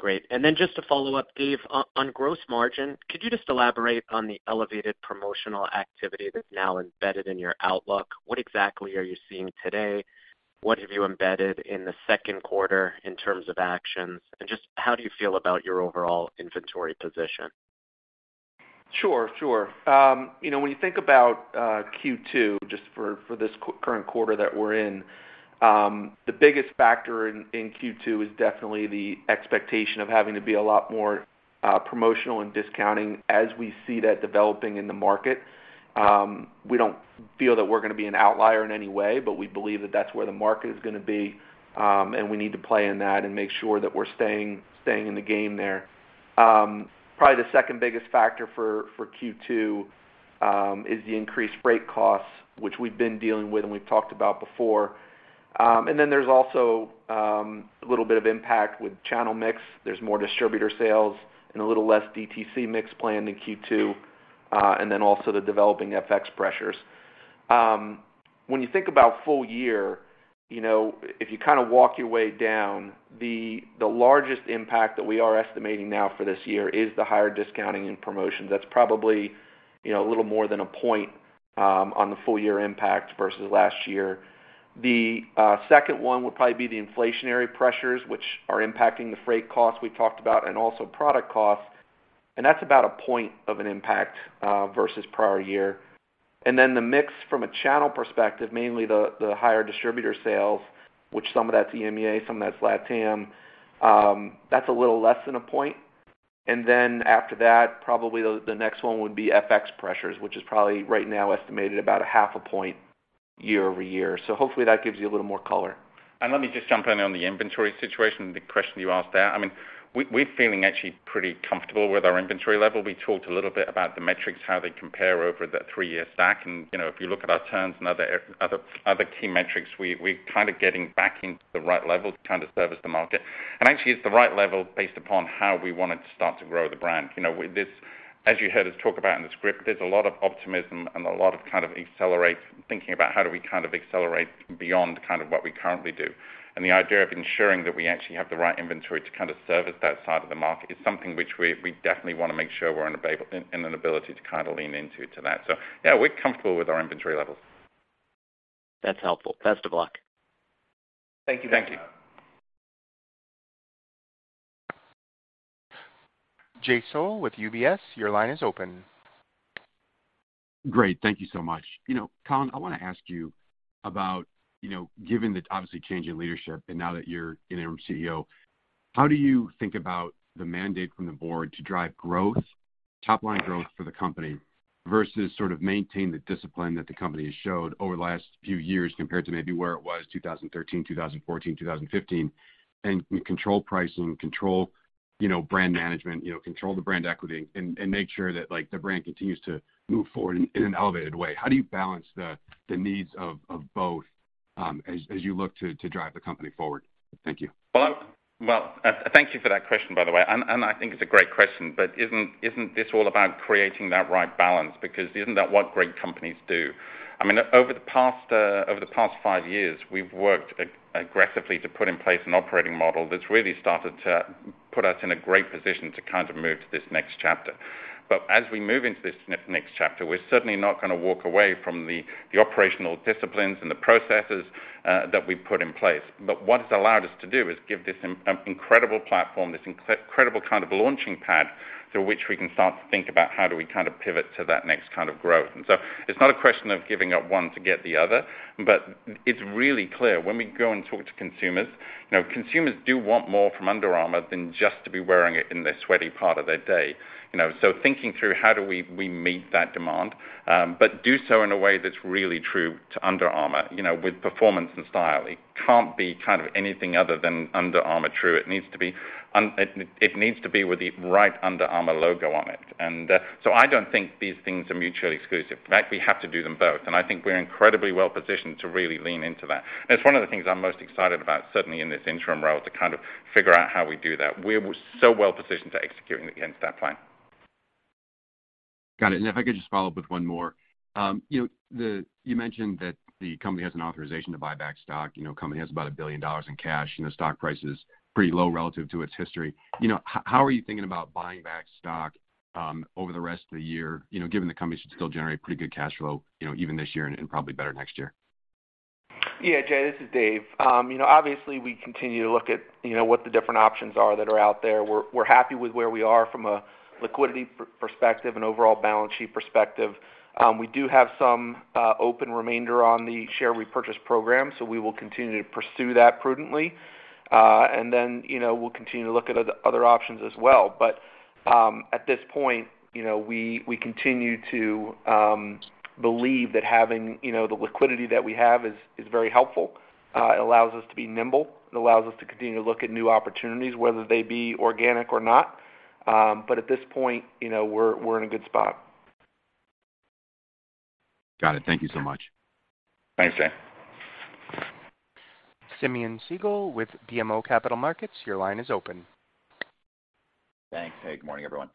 Great. Just to follow-up, David, on gross margin, could you just elaborate on the elevated promotional activity that's now embedded in your outlook? What exactly are you seeing today? What have you embedded in the second quarter in terms of actions? Just how do you feel about your overall inventory position? Sure, sure. You know, when you think about Q2, just for this current quarter that we're in, the biggest factor in Q2 is definitely the expectation of having to be a lot more promotional and discounting as we see that developing in the market. We don't feel that we're gonna be an outlier in any way, but we believe that that's where the market is gonna be. We need to play in that and make sure that we're staying in the game there. Probably the second biggest factor for Q2 is the increased freight costs, which we've been dealing with and we've talked about before. There's also a little bit of impact with channel mix. There's more distributor sales and a little less DTC mix planned in Q2, and then also the developing FX pressures. When you think about full year, you know, if you kinda walk your way down, the largest impact that we are estimating now for this year is the higher discounting and promotion. That's probably, you know, a little more than a point on the full year impact versus last year. The second one would probably be the inflationary pressures, which are impacting the freight costs we talked about and also product costs, and that's about a point of an impact versus prior year. The mix from a channel perspective, mainly the higher distributor sales, which some of that's EMEA, some of that's LatAm, that's a little less than a point. After that, probably the next one would be FX pressures, which is probably right now estimated about a half a point year-over-year. Hopefully that gives you a little more color. Let me just jump in on the inventory situation, the question you asked there. I mean, we're feeling actually pretty comfortable with our inventory level. We talked a little bit about the metrics, how they compare over the three-year stack. You know, if you look at our terms and other key metrics, we're kind of getting back into the right level to kind of service the market. Actually it's the right level based upon how we wanted to start to grow the brand. You know, with this, as you heard us talk about in the script, there's a lot of optimism and a lot of kind of acceleration thinking about how do we kind of accelerate beyond kind of what we currently do. The idea of ensuring that we actually have the right inventory to kind of service that side of the market is something which we definitely wanna make sure we're in availability to kind of lean into that. Yeah, we're comfortable with our inventory levels. That's helpful. Best of luck. Thank you. Thank you. Jay Sole with UBS, your line is open. Great. Thank you so much. You know, Colin, I wanna ask you about, you know, given the obvious change in leadership and now that you're Interim CEO, how do you think about the mandate from the board to drive growth, top line growth for the company versus sort of maintain the discipline that the company has showed over the last few years compared to maybe where it was, 2013, 2014, 2015, and control pricing, control, you know, brand management, you know, control the brand equity and make sure that, like, the brand continues to move forward in an elevated way? How do you balance the needs of both as you look to drive the company forward? Thank you. Well, thank you for that question, by the way, and I think it's a great question. Isn't this all about creating that right balance? Because isn't that what great companies do? I mean, over the past five years, we've worked aggressively to put in place an operating model that's really started to put us in a great position to kind of move to this next chapter. As we move into this next chapter, we're certainly not gonna walk away from the operational disciplines and the processes that we've put in place. What it's allowed us to do is give this incredible platform, this incredible kind of launching pad through which we can start to think about how do we kind of pivot to that next kind of growth? It's not a question of giving up one to get the other, but it's really clear when we go and talk to consumers, you know, consumers do want more from Under Armour than just to be wearing it in the sweaty part of their day. You know, thinking through how do we meet that demand, but do so in a way that's really true to Under Armour, you know, with performance and style. It can't be kind of anything other than Under Armour true. It needs to be with the right Under Armour logo on it. I don't think these things are mutually exclusive. In fact, we have to do them both, and I think we're incredibly well positioned to really lean into that. It's one of the things I'm most excited about, certainly in this interim role, to kind of figure out how we do that. We're so well positioned to executing against that plan. Got it. If I could just follow-up with one more. You know, you mentioned that the company has an authorization to buy back stock. You know, company has about $1 billion in cash, and the stock price is pretty low relative to its history. You know, how are you thinking about buying back stock, over the rest of the year, you know, given the company should still generate pretty good cash flow, you know, even this year and probably better next year? Yeah, Jay, this is Dave. You know, obviously, we continue to look at, you know, what the different options are that are out there. We're happy with where we are from a liquidity perspective and overall balance sheet perspective. We do have some open remainder on the share repurchase program, so we will continue to pursue that prudently. You know, we'll continue to look at other options as well. At this point, you know, we continue to believe that having, you know, the liquidity that we have is very helpful. It allows us to be nimble. It allows us to continue to look at new opportunities, whether they be organic or not. At this point, you know, we're in a good spot. Got it. Thank you so much. Thanks, Jay. Simeon Siegel with BMO Capital Markets, your line is open. Thanks. Hey, good morning, everyone.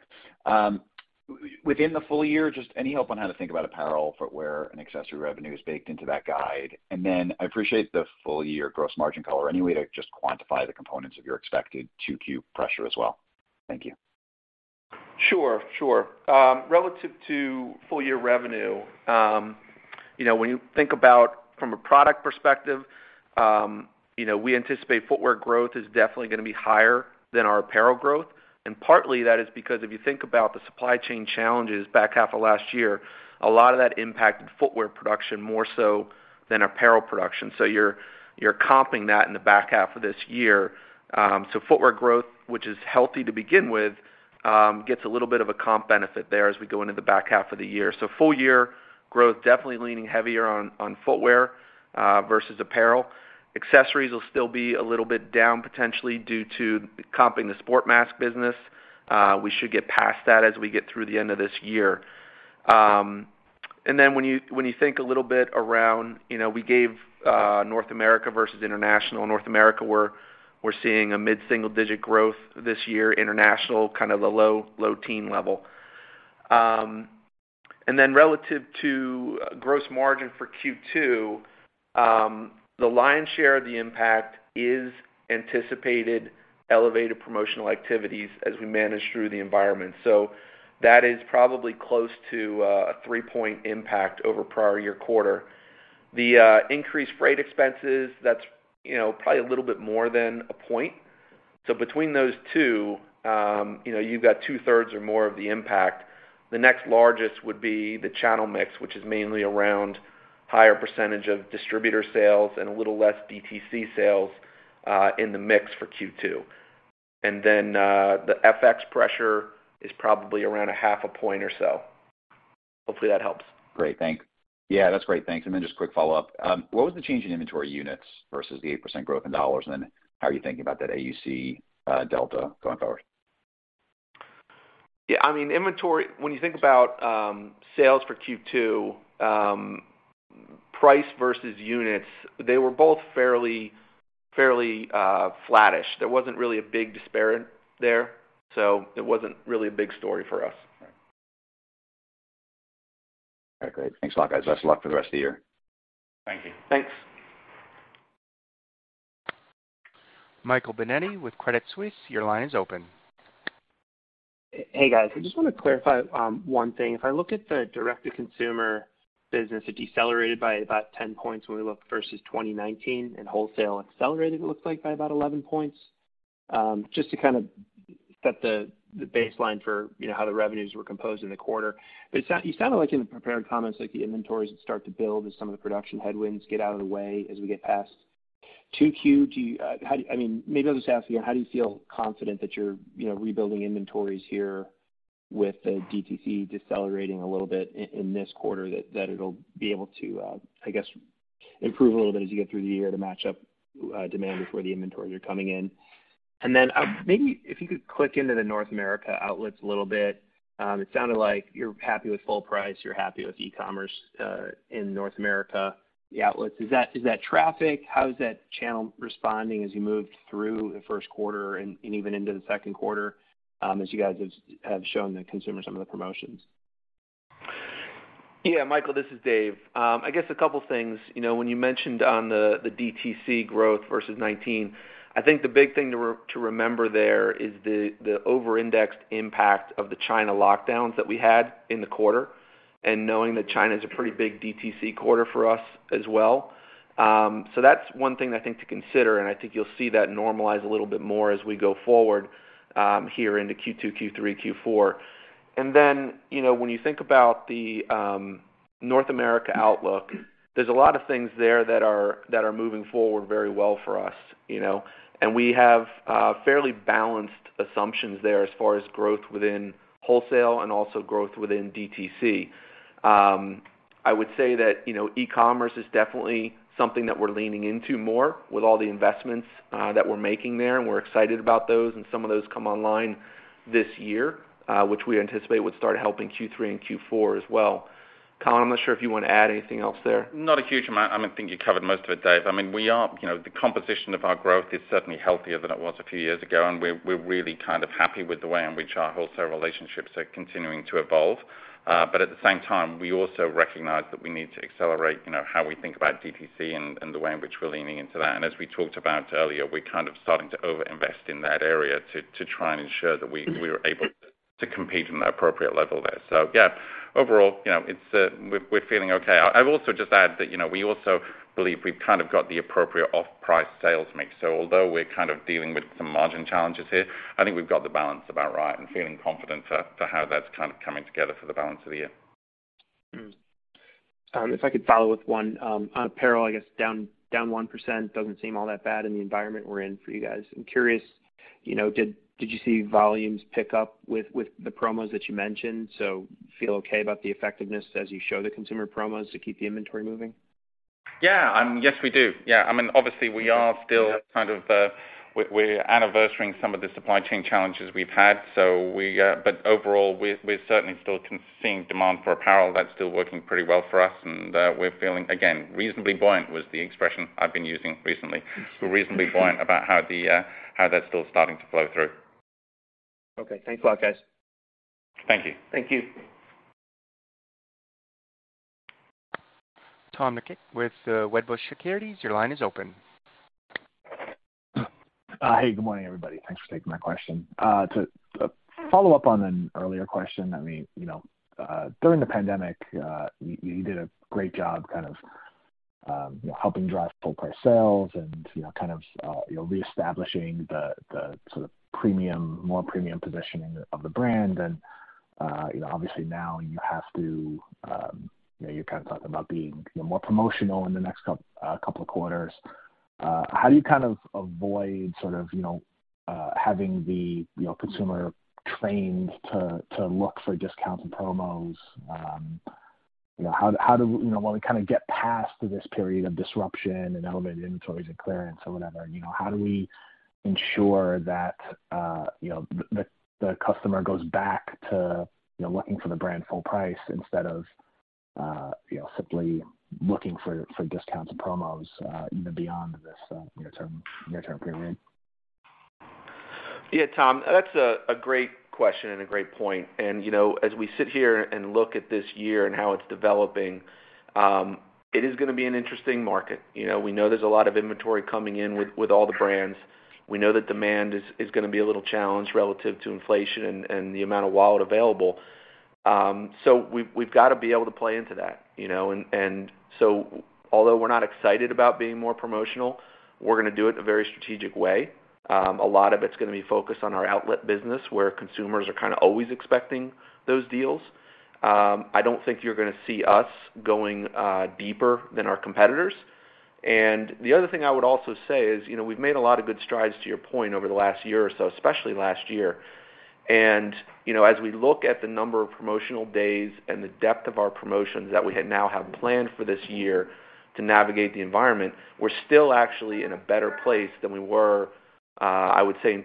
Within the full year, just any help on how to think about apparel, footwear, and accessory revenue is baked into that guide. I appreciate the full year gross margin color. Any way to just quantify the components of your expected 2Q pressure as well? Thank you. Sure. Relative to full year revenue, you know, when you think about from a product perspective, you know, we anticipate footwear growth is definitely gonna be higher than our apparel growth. Partly that is because if you think about the supply chain challenges back half of last year, a lot of that impacted footwear production more so than apparel production. So you're comping that in the back half of this year. So footwear growth, which is healthy to begin with, gets a little bit of a comp benefit there as we go into the back half of the year. So full year growth definitely leaning heavier on footwear versus apparel. Accessories will still be a little bit down potentially due to comping the sport mask business. We should get past that as we get through the end of this year. When you think a little bit around, you know, we gave North America versus international. North America, we're seeing mid-single-digit growth this year. International, kind of the low-teens level. Relative to gross margin for Q2, the lion's share of the impact is anticipated elevated promotional activities as we manage through the environment. That is probably close to a 3-point impact over prior year quarter. The increased freight expenses, that's, you know, probably a little bit more than 1 point. Between those two, you know, you've got two-thirds or more of the impact. The next largest would be the channel mix, which is mainly around higher percentage of distributor sales and a little less DTC sales in the mix for Q2. Then, the FX pressure is probably around a half a point or so. Hopefully, that helps. Great. Thanks. Yeah, that's great. Thanks. Just quick follow-up. What was the change in inventory units versus the 8% growth in dollars? How are you thinking about that AUC delta going forward? Yeah, I mean, inventory, when you think about sales for Q2, price versus units, they were both fairly flattish. There wasn't really a big disparity there, so it wasn't really a big story for us. All right. Great. Thanks a lot, guys. Best of luck for the rest of the year. Thank you. Thanks. Michael Binetti with Credit Suisse, your line is open. Hey, guys. I just wanna clarify one thing. If I look at the direct-to-consumer business, it decelerated by about 10 points when we look versus 2019, and wholesale accelerated, it looks like by about 11 points. Just to kind of set the baseline for you know how the revenues were composed in the quarter. You sounded like in the prepared comments, like the inventories start to build as some of the production headwinds get out of the way as we get past 2Q. Do you, I mean, maybe I'll just ask again, how do you feel confident that you're, you know, rebuilding inventories here with the DTC decelerating a little bit in this quarter that it'll be able to, I guess, improve a little bit as you get through the year to match up demand before the inventories are coming in? Maybe if you could click into the North America outlets a little bit. It sounded like you're happy with full price, you're happy with e-commerce in North America. The outlets, is that traffic? How is that channel responding as you moved through the first quarter and even into the second quarter as you guys have shown the consumer some of the promotions? Yeah, Michael, this is Dave. I guess a couple of things. You know, when you mentioned on the DTC growth versus 2019, I think the big thing to remember there is the over-indexed impact of the China lockdowns that we had in the quarter, and knowing that China is a pretty big DTC quarter for us as well. That's one thing I think to consider, and I think you'll see that normalize a little bit more as we go forward here into Q2, Q3, Q4. Then, you know, when you think about the North America outlook, there's a lot of things there that are moving forward very well for us, you know. We have fairly balanced assumptions there as far as growth within wholesale and also growth within DTC. I would say that, you know, e-commerce is definitely something that we're leaning into more with all the investments that we're making there, and we're excited about those. Some of those come online this year, which we anticipate would start helping Q3 and Q4 as well. Tom, I'm not sure if you want to add anything else there? Not a huge amount. I mean, I think you covered most of it, Dave. I mean, we are, you know, the composition of our growth is certainly healthier than it was a few years ago, and we're really kind of happy with the way in which our wholesale relationships are continuing to evolve. But at the same time, we also recognize that we need to accelerate, you know, how we think about DTC and the way in which we're leaning into that. As we talked about earlier, we're kind of starting to over-invest in that area to try and ensure that we Mm-hmm. We are able to compete in the appropriate level there. Yeah, overall, you know, it's, we're feeling okay. I also just add that, you know, we also believe we've kind of got the appropriate off-price sales mix. Although we're kind of dealing with some margin challenges here, I think we've got the balance about right and feeling confident for how that's kind of coming together for the balance of the year. If I could follow with one? Apparel, I guess, down 1% doesn't seem all that bad in the environment we're in for you guys. I'm curious, you know, did you see volumes pick up with the promos that you mentioned, so feel okay about the effectiveness as you show the consumer promos to keep the inventory moving? Yes, we do. I mean, obviously, we are still kind of we're anniversarying some of the supply chain challenges we've had. Overall, we're certainly still seeing demand for apparel that's still working pretty well for us, and we're feeling, again, reasonably buoyant, was the expression I've been using recently. We're reasonably buoyant about how that's still starting to flow through. Okay. Thanks a lot, guys. Thank you. Thank you. Tom Nikic with Wedbush Securities, your line is open. Hey, good morning, everybody. Thanks for taking my question. To follow-up on an earlier question. I mean, you know, during the pandemic, you did a great job kind of helping drive full price sales and, you know, kind of, you know, reestablishing the sort of premium, more premium positioning of the brand. You know, obviously now you have to, you know, you're kind of talking about being, you know, more promotional in the next couple of quarters. How do you kind of avoid sort of, you know, having the consumer trained to look for discounts and promos? You know, how do... You know, when we kinda get past this period of disruption and elevated inventories and clearance or whatever, you know, how do we ensure that, you know, the customer goes back to, you know, looking for the brand full price instead of, you know, simply looking for discounts and promos, you know, beyond this, near-term period? Yeah, Tom, that's a great question and a great point. You know, as we sit here and look at this year and how it's developing, it is gonna be an interesting market. You know, we know there's a lot of inventory coming in with all the brands. We know that demand is gonna be a little challenged relative to inflation and the amount of wallet available. We've gotta be able to play into that, you know. Although we're not excited about being more promotional, we're gonna do it in a very strategic way. A lot of it's gonna be focused on our outlet business, where consumers are kinda always expecting those deals. I don't think you're gonna see us going deeper than our competitors. The other thing I would also say is, you know, we've made a lot of good strides to your point over the last year or so, especially last year. You know, as we look at the number of promotional days and the depth of our promotions that we now have planned for this year to navigate the environment, we're still actually in a better place than we were, I would say,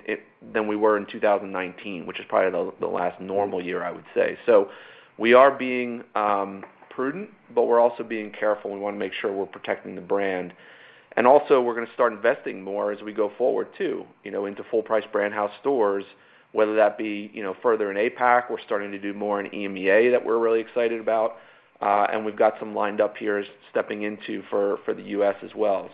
than we were in 2019, which is probably the last normal year, I would say. We are being prudent, but we're also being careful. We wanna make sure we're protecting the brand. Also, we're gonna start investing more as we go forward, too, you know, into full price brand house stores, whether that be, you know, further in APAC. We're starting to do more in EMEA that we're really excited about. We've got some lined up here stepping into for the U.S. As well.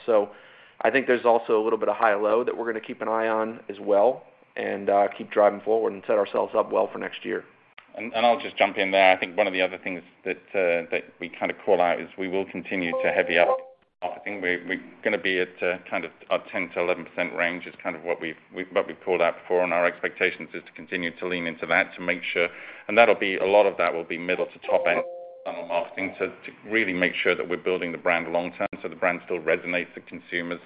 I think there's also a little bit of high-low that we're gonna keep an eye on as well and keep driving forward and set ourselves up well for next year. I'll just jump in there. I think one of the other things that we kinda call out is we will continue to heavy up. I think we're gonna be at a kind of a 10%-11% range is kind of what we've called out before, and our expectations is to continue to lean into that to make sure. That'll be a lot of that will be middle to top-end marketing to really make sure that we're building the brand long term, so the brand still resonates with consumers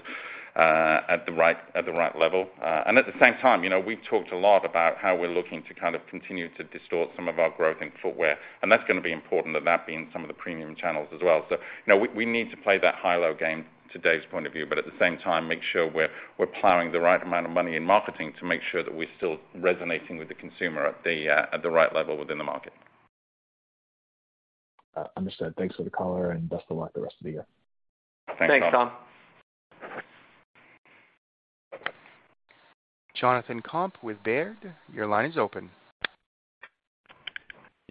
at the right level. At the same time, you know, we've talked a lot about how we're looking to kind of continue to distort some of our growth in footwear, and that's gonna be important, that being some of the premium channels as well. You know, we need to play that high-low game to Dave's point of view, but at the same time, make sure we're plowing the right amount of money in marketing to make sure that we're still resonating with the consumer at the right level within the market. Understood. Thanks for the color, and best of luck the rest of the year. Thanks, Tom. Thanks, Tom. Jonathan Komp with Baird, your line is open.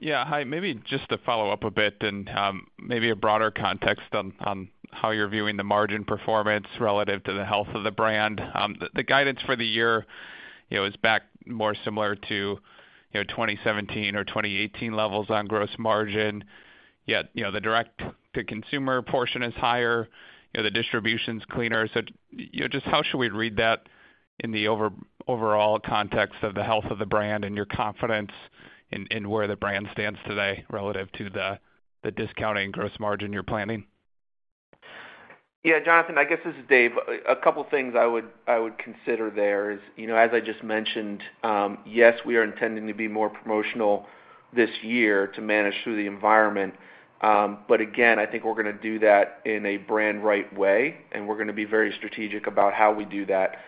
Yeah. Hi. Maybe just to follow-up a bit and, maybe a broader context on how you're viewing the margin performance relative to the health of the brand? The guidance for the year, you know, is back more similar to, you know, 2017 or 2018 levels on gross margin. Yet, you know, the direct to consumer portion is higher. You know, the distribution's cleaner. You know, just how should we read that in the overall context of the health of the brand and your confidence in where the brand stands today relative to the discounting gross margin you're planning? Yeah, Jonathan, I guess this is Dave. A couple things I would consider there is, you know, as I just mentioned, yes, we are intending to be more promotional this year to manage through the environment. Again, I think we're gonna do that in a brand right way, and we're gonna be very strategic about how we do that.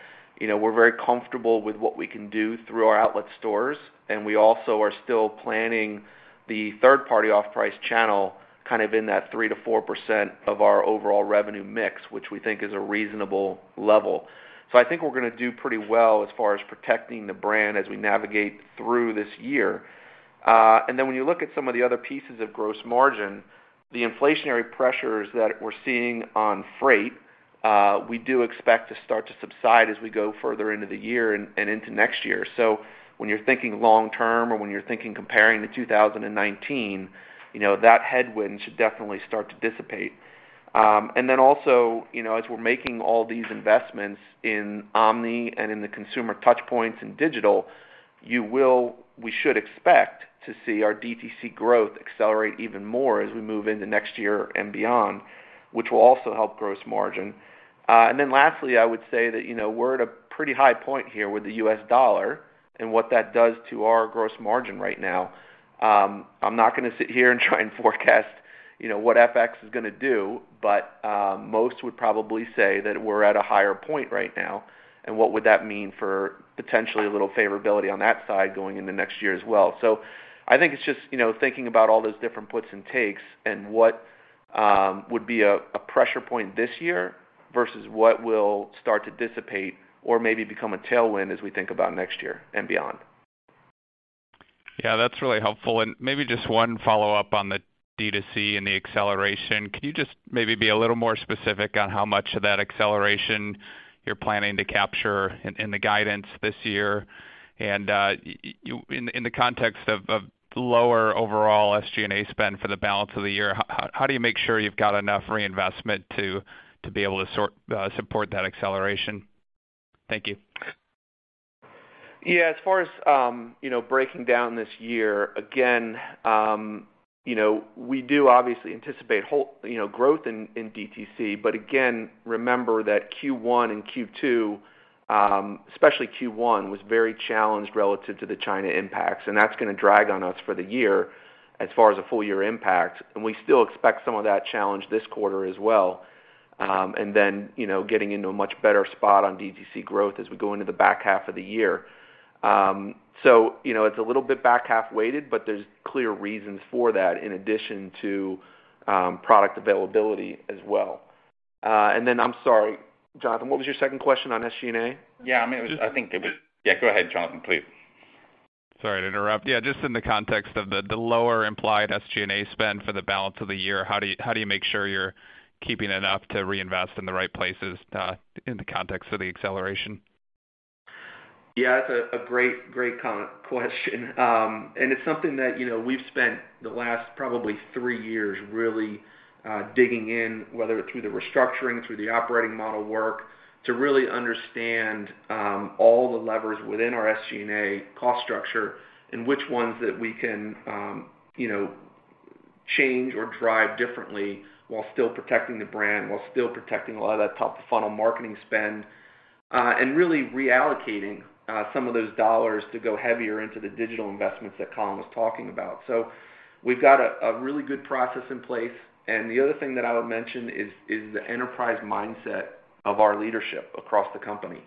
You know, we're very comfortable with what we can do through our outlet stores, and we also are still planning the third-party off-price channel kind of in that 3%-4% of our overall revenue mix, which we think is a reasonable level. I think we're gonna do pretty well as far as protecting the brand as we navigate through this year. When you look at some of the other pieces of gross margin, the inflationary pressures that we're seeing on freight, we do expect to start to subside as we go further into the year and into next year. When you're thinking long term or when you're thinking comparing to 2019, you know, that headwind should definitely start to dissipate. You know, as we're making all these investments in omni and in the consumer touch points and digital, we should expect to see our DTC growth accelerate even more as we move into next year and beyond, which will also help gross margin. I would say that, you know, we're at a pretty high point here with the U.S. dollar and what that does to our gross margin right now. I'm not gonna sit here and try and forecast, you know, what FX is gonna do, but most would probably say that we're at a higher point right now, and what would that mean for potentially a little favorability on that side going into next year as well. I think it's just, you know, thinking about all those different puts and takes and what would be a pressure point this year versus what will start to dissipate or maybe become a tailwind as we think about next year and beyond. Yeah, that's really helpful. Maybe just one follow-up on the D2C and the acceleration. Can you just maybe be a little more specific on how much of that acceleration you're planning to capture in the guidance this year? In the context of lower overall SG&A spend for the balance of the year, how do you make sure you've got enough reinvestment to be able to support that acceleration? Thank you. Yeah. As far as, you know, breaking down this year, again, you know, we do obviously anticipate you know, growth in DTC, but again, remember that Q1 and Q2, especially Q1, was very challenged relative to the China impacts, and that's gonna drag on us for the year as far as a full year impact. We still expect some of that challenge this quarter as well, and then, you know, getting into a much better spot on DTC growth as we go into the back half of the year. So, you know, it's a little bit back half weighted, but there's clear reasons for that in addition to, product availability as well. Then I'm sorry, Jonathan, what was your second question on SG&A? Yeah, go ahead, Jonathan, please. Sorry to interrupt. Yeah, just in the context of the lower implied SG&A spend for the balance of the year, how do you make sure you're keeping enough to reinvest in the right places, in the context of the acceleration? Yeah. It's a great question. It's something that, you know, we've spent the last probably three years really digging in, whether through the restructuring, through the operating model work, to really understand all the levers within our SG&A cost structure and which ones that we can, you know, change or drive differently while still protecting the brand, while still protecting a lot of that top-of-funnel marketing spend, and really reallocating some of those dollars to go heavier into the digital investments that Colin was talking about. We've got a really good process in place. The other thing that I would mention is the enterprise mindset of our leadership across the company.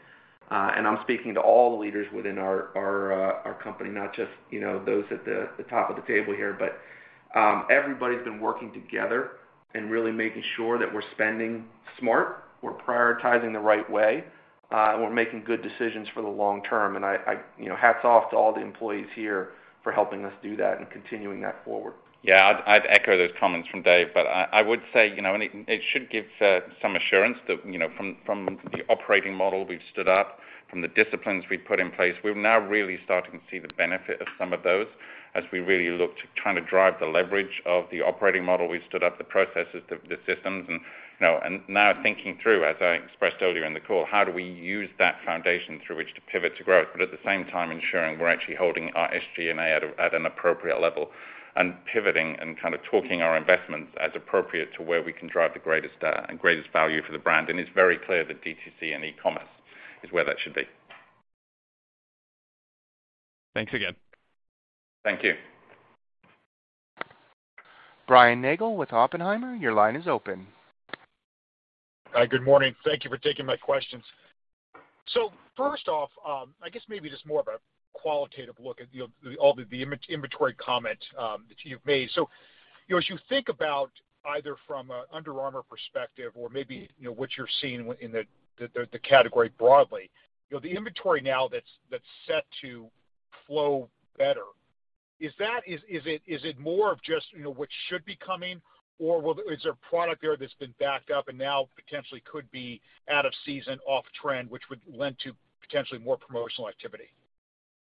I'm speaking to all the leaders within our company, not just, you know, those at the top of the table here, but everybody's been working together and really making sure that we're spending smart, we're prioritizing the right way, we're making good decisions for the long term. You know, hats off to all the employees here for helping us do that and continuing that forward. Yeah. I'd echo those comments from Dave, but I would say, you know, and it should give some assurance that, you know, from the operating model we've stood up, from the disciplines we've put in place. We've now really starting to see the benefit of some of those as we really look to trying to drive the leverage of the operating model we stood up, the processes, the systems. You know, now thinking through, as I expressed earlier in the call, how do we use that foundation through which to pivot to growth, but at the same time ensuring we're actually holding our SG&A at an appropriate level and pivoting and kind of allocating our investments as appropriate to where we can drive the greatest value for the brand. It's very clear that DTC and e-commerce is where that should be. Thanks again. Thank you. Brian Nagel with Oppenheimer, your line is open. Hi. Good morning. Thank you for taking my questions. First off, I guess maybe just more of a qualitative look at the inventory comment that you've made. You know, as you think about either from a Under Armour perspective or maybe, you know, what you're seeing in the category broadly, you know, the inventory now that's set to flow better, is that? Is it more of just, you know, what should be coming? Or is there product there that's been backed up and now potentially could be out of season off trend, which would lend to potentially more promotional activity?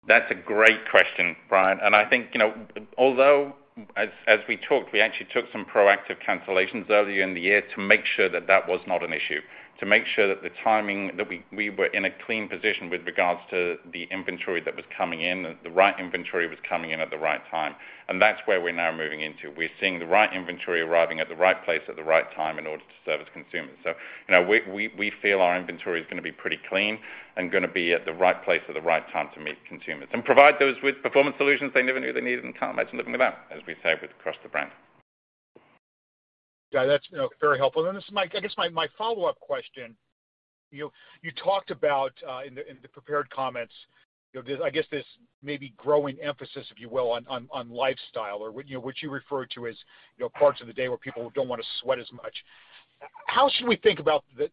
That's a great question, Brian. I think, you know, although as we talked, we actually took some proactive cancellations earlier in the year to make sure that that was not an issue, to make sure that the timing that we were in a clean position with regards to the inventory that was coming in, the right inventory was coming in at the right time. That's where we're now moving into. We're seeing the right inventory arriving at the right place at the right time in order to service consumers. You know, we feel our inventory is gonna be pretty clean and gonna be at the right place at the right time to meet consumers and provide those with performance solutions they never knew they needed and can't imagine living without, as we say with across the brand. Yeah, that's, you know, very helpful. This is my—I guess my follow-up question. You talked about in the prepared comments, you know, this, I guess this maybe growing emphasis, if you will, on lifestyle or what, you know, what you refer to as, you know, parts of the day where people don't wanna sweat as much. How should we think about the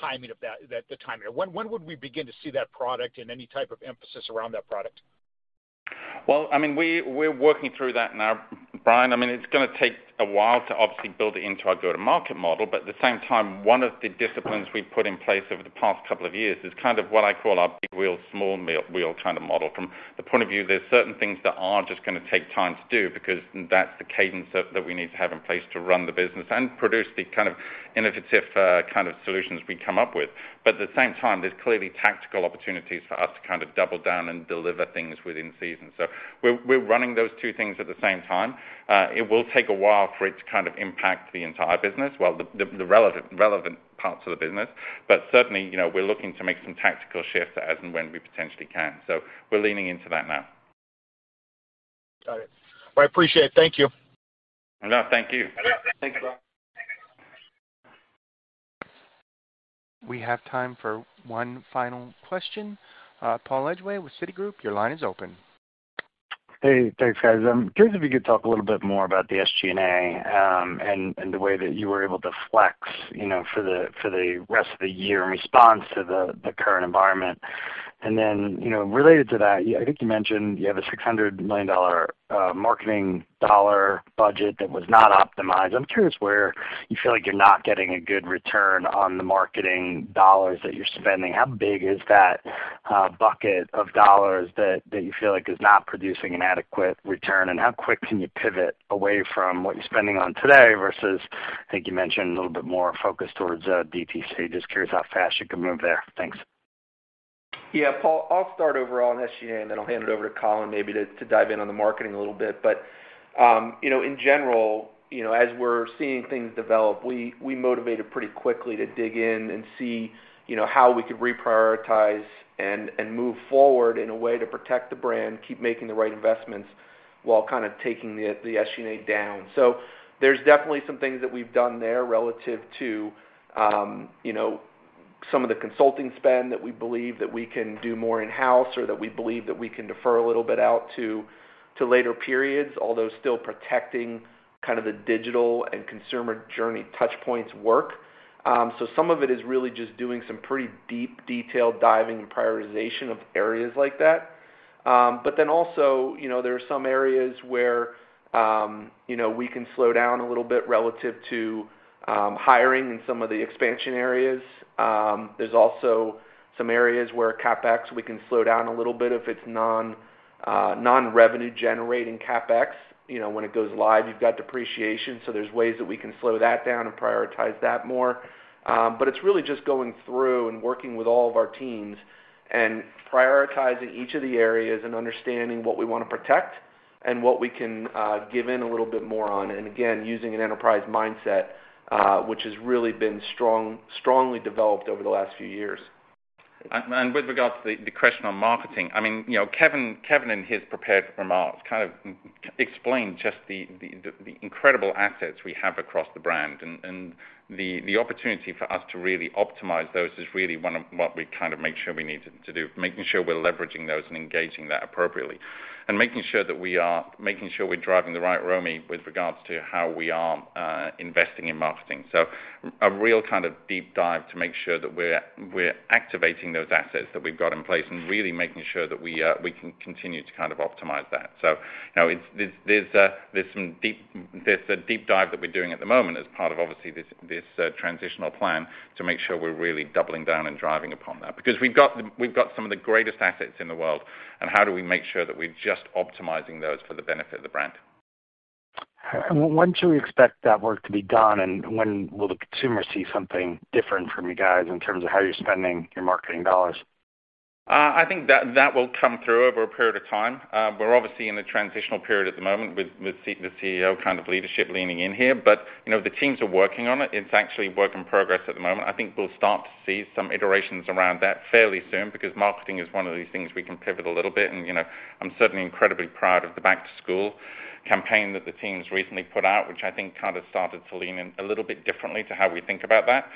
timing of that, the timing? When would we begin to see that product and any type of emphasis around that product? Well, I mean, we're working through that now, Brian. I mean, it's gonna take a while to obviously build it into our go-to-market model, but at the same time, one of the disciplines we've put in place over the past couple of years is kind of what I call our big wheel, small wheel kind of model. From the point of view, there's certain things that are just gonna take time to do because that's the cadence that we need to have in place to run the business and produce the kind of innovative kind of solutions we come up with. But at the same time, there's clearly tactical opportunities for us to kind of double down and deliver things within season. We're running those two things at the same time. It will take a while for it to kind of impact the entire business, well, the relevant parts of the business. Certainly, you know, we're looking to make some tactical shifts as and when we potentially can. We're leaning into that now. Got it. Well, I appreciate it. Thank you. No, thank you. We have time for one final question. Paul Lejuez with Citigroup, your line is open. Hey, thanks, guys. I'm curious if you could talk a little bit more about the SG&A and the way that you were able to flex, you know, for the rest of the year in response to the current environment? Then, you know, related to that, I think you mentioned you have a $600 million marketing dollar budget that was not optimized. I'm curious where you feel like you're not getting a good return on the marketing dollars that you're spending. How big is that bucket of dollars that you feel like is not producing an adequate return? And how quick can you pivot away from what you're spending on today versus, I think you mentioned a little bit more focus towards DTC. Just curious how fast you can move there? Thanks. Yeah, Paul, I'll start overall on SG&A, and then I'll hand it over to Colin maybe to dive in on the marketing a little bit. You know, in general, you know, as we're seeing things develop, we motivated pretty quickly to dig in and see, you know, how we could reprioritize and move forward in a way to protect the brand, keep making the right investments while kinda taking the SG&A down. There's definitely some things that we've done there relative to, you know, some of the consulting spend that we believe that we can do more in-house or that we believe that we can defer a little bit out to later periods, although still protecting kind of the digital and consumer journey touch points work. Some of it is really just doing some pretty deep detailed diving and prioritization of areas like that. Then also, you know, there are some areas where, you know, we can slow down a little bit relative to hiring in some of the expansion areas. There's also some areas where CapEx, we can slow down a little bit if it's non-revenue generating CapEx. You know, when it goes live, you've got depreciation, so there's ways that we can slow that down and prioritize that more. It's really just going through and working with all of our teams and prioritizing each of the areas and understanding what we wanna protect and what we can give in a little bit more on. Using an enterprise mindset, which has really been strongly developed over the last few years. With regards to the question on marketing, I mean, you know, Kevin in his prepared remarks kind of explained just the incredible assets we have across the brand. The opportunity for us to really optimize those is really one of what we kind of make sure we need to do, making sure we're leveraging those and engaging that appropriately. Making sure that we are making sure we're driving the right ROMI with regards to how we are investing in marketing. A real kind of deep dive to make sure that we're activating those assets that we've got in place and really making sure that we can continue to kind of optimize that. You know, it's There's a deep dive that we're doing at the moment as part of obviously this transitional plan to make sure we're really doubling down and driving upon that. Because we've got some of the greatest assets in the world, and how do we make sure that we're just optimizing those for the benefit of the brand? When should we expect that work to be done, and when will the consumer see something different from you guys in terms of how you're spending your marketing dollars? I think that will come through over a period of time. We're obviously in a transitional period at the moment with the CEO kind of leadership leaning in here, but you know, the teams are working on it. It's actually work in progress at the moment. I think we'll start to see some iterations around that fairly soon because marketing is one of these things we can pivot a little bit. You know, I'm certainly incredibly proud of the back-to-school campaign that the teams recently put out, which I think kind of started to lean in a little bit differently to how we think about that.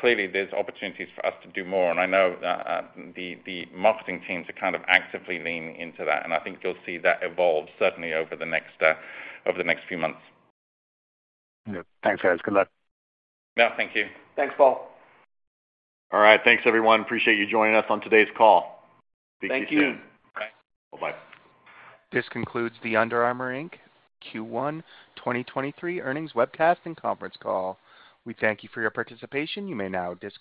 Clearly, there's opportunities for us to do more, and I know the marketing teams are kind of actively leaning into that, and I think you'll see that evolve certainly over the next few months. Yeah. Thanks, guys. Good luck. No, thank you. Thanks, Paul. All right. Thanks, everyone. Appreciate you joining us on today's call. Thank you. Thank you. Bye. Bye-bye. This concludes the Under Armour, Inc., Q1 2023 Earnings Webcast and Conference Call. We thank you for your participation. You may now disconnect.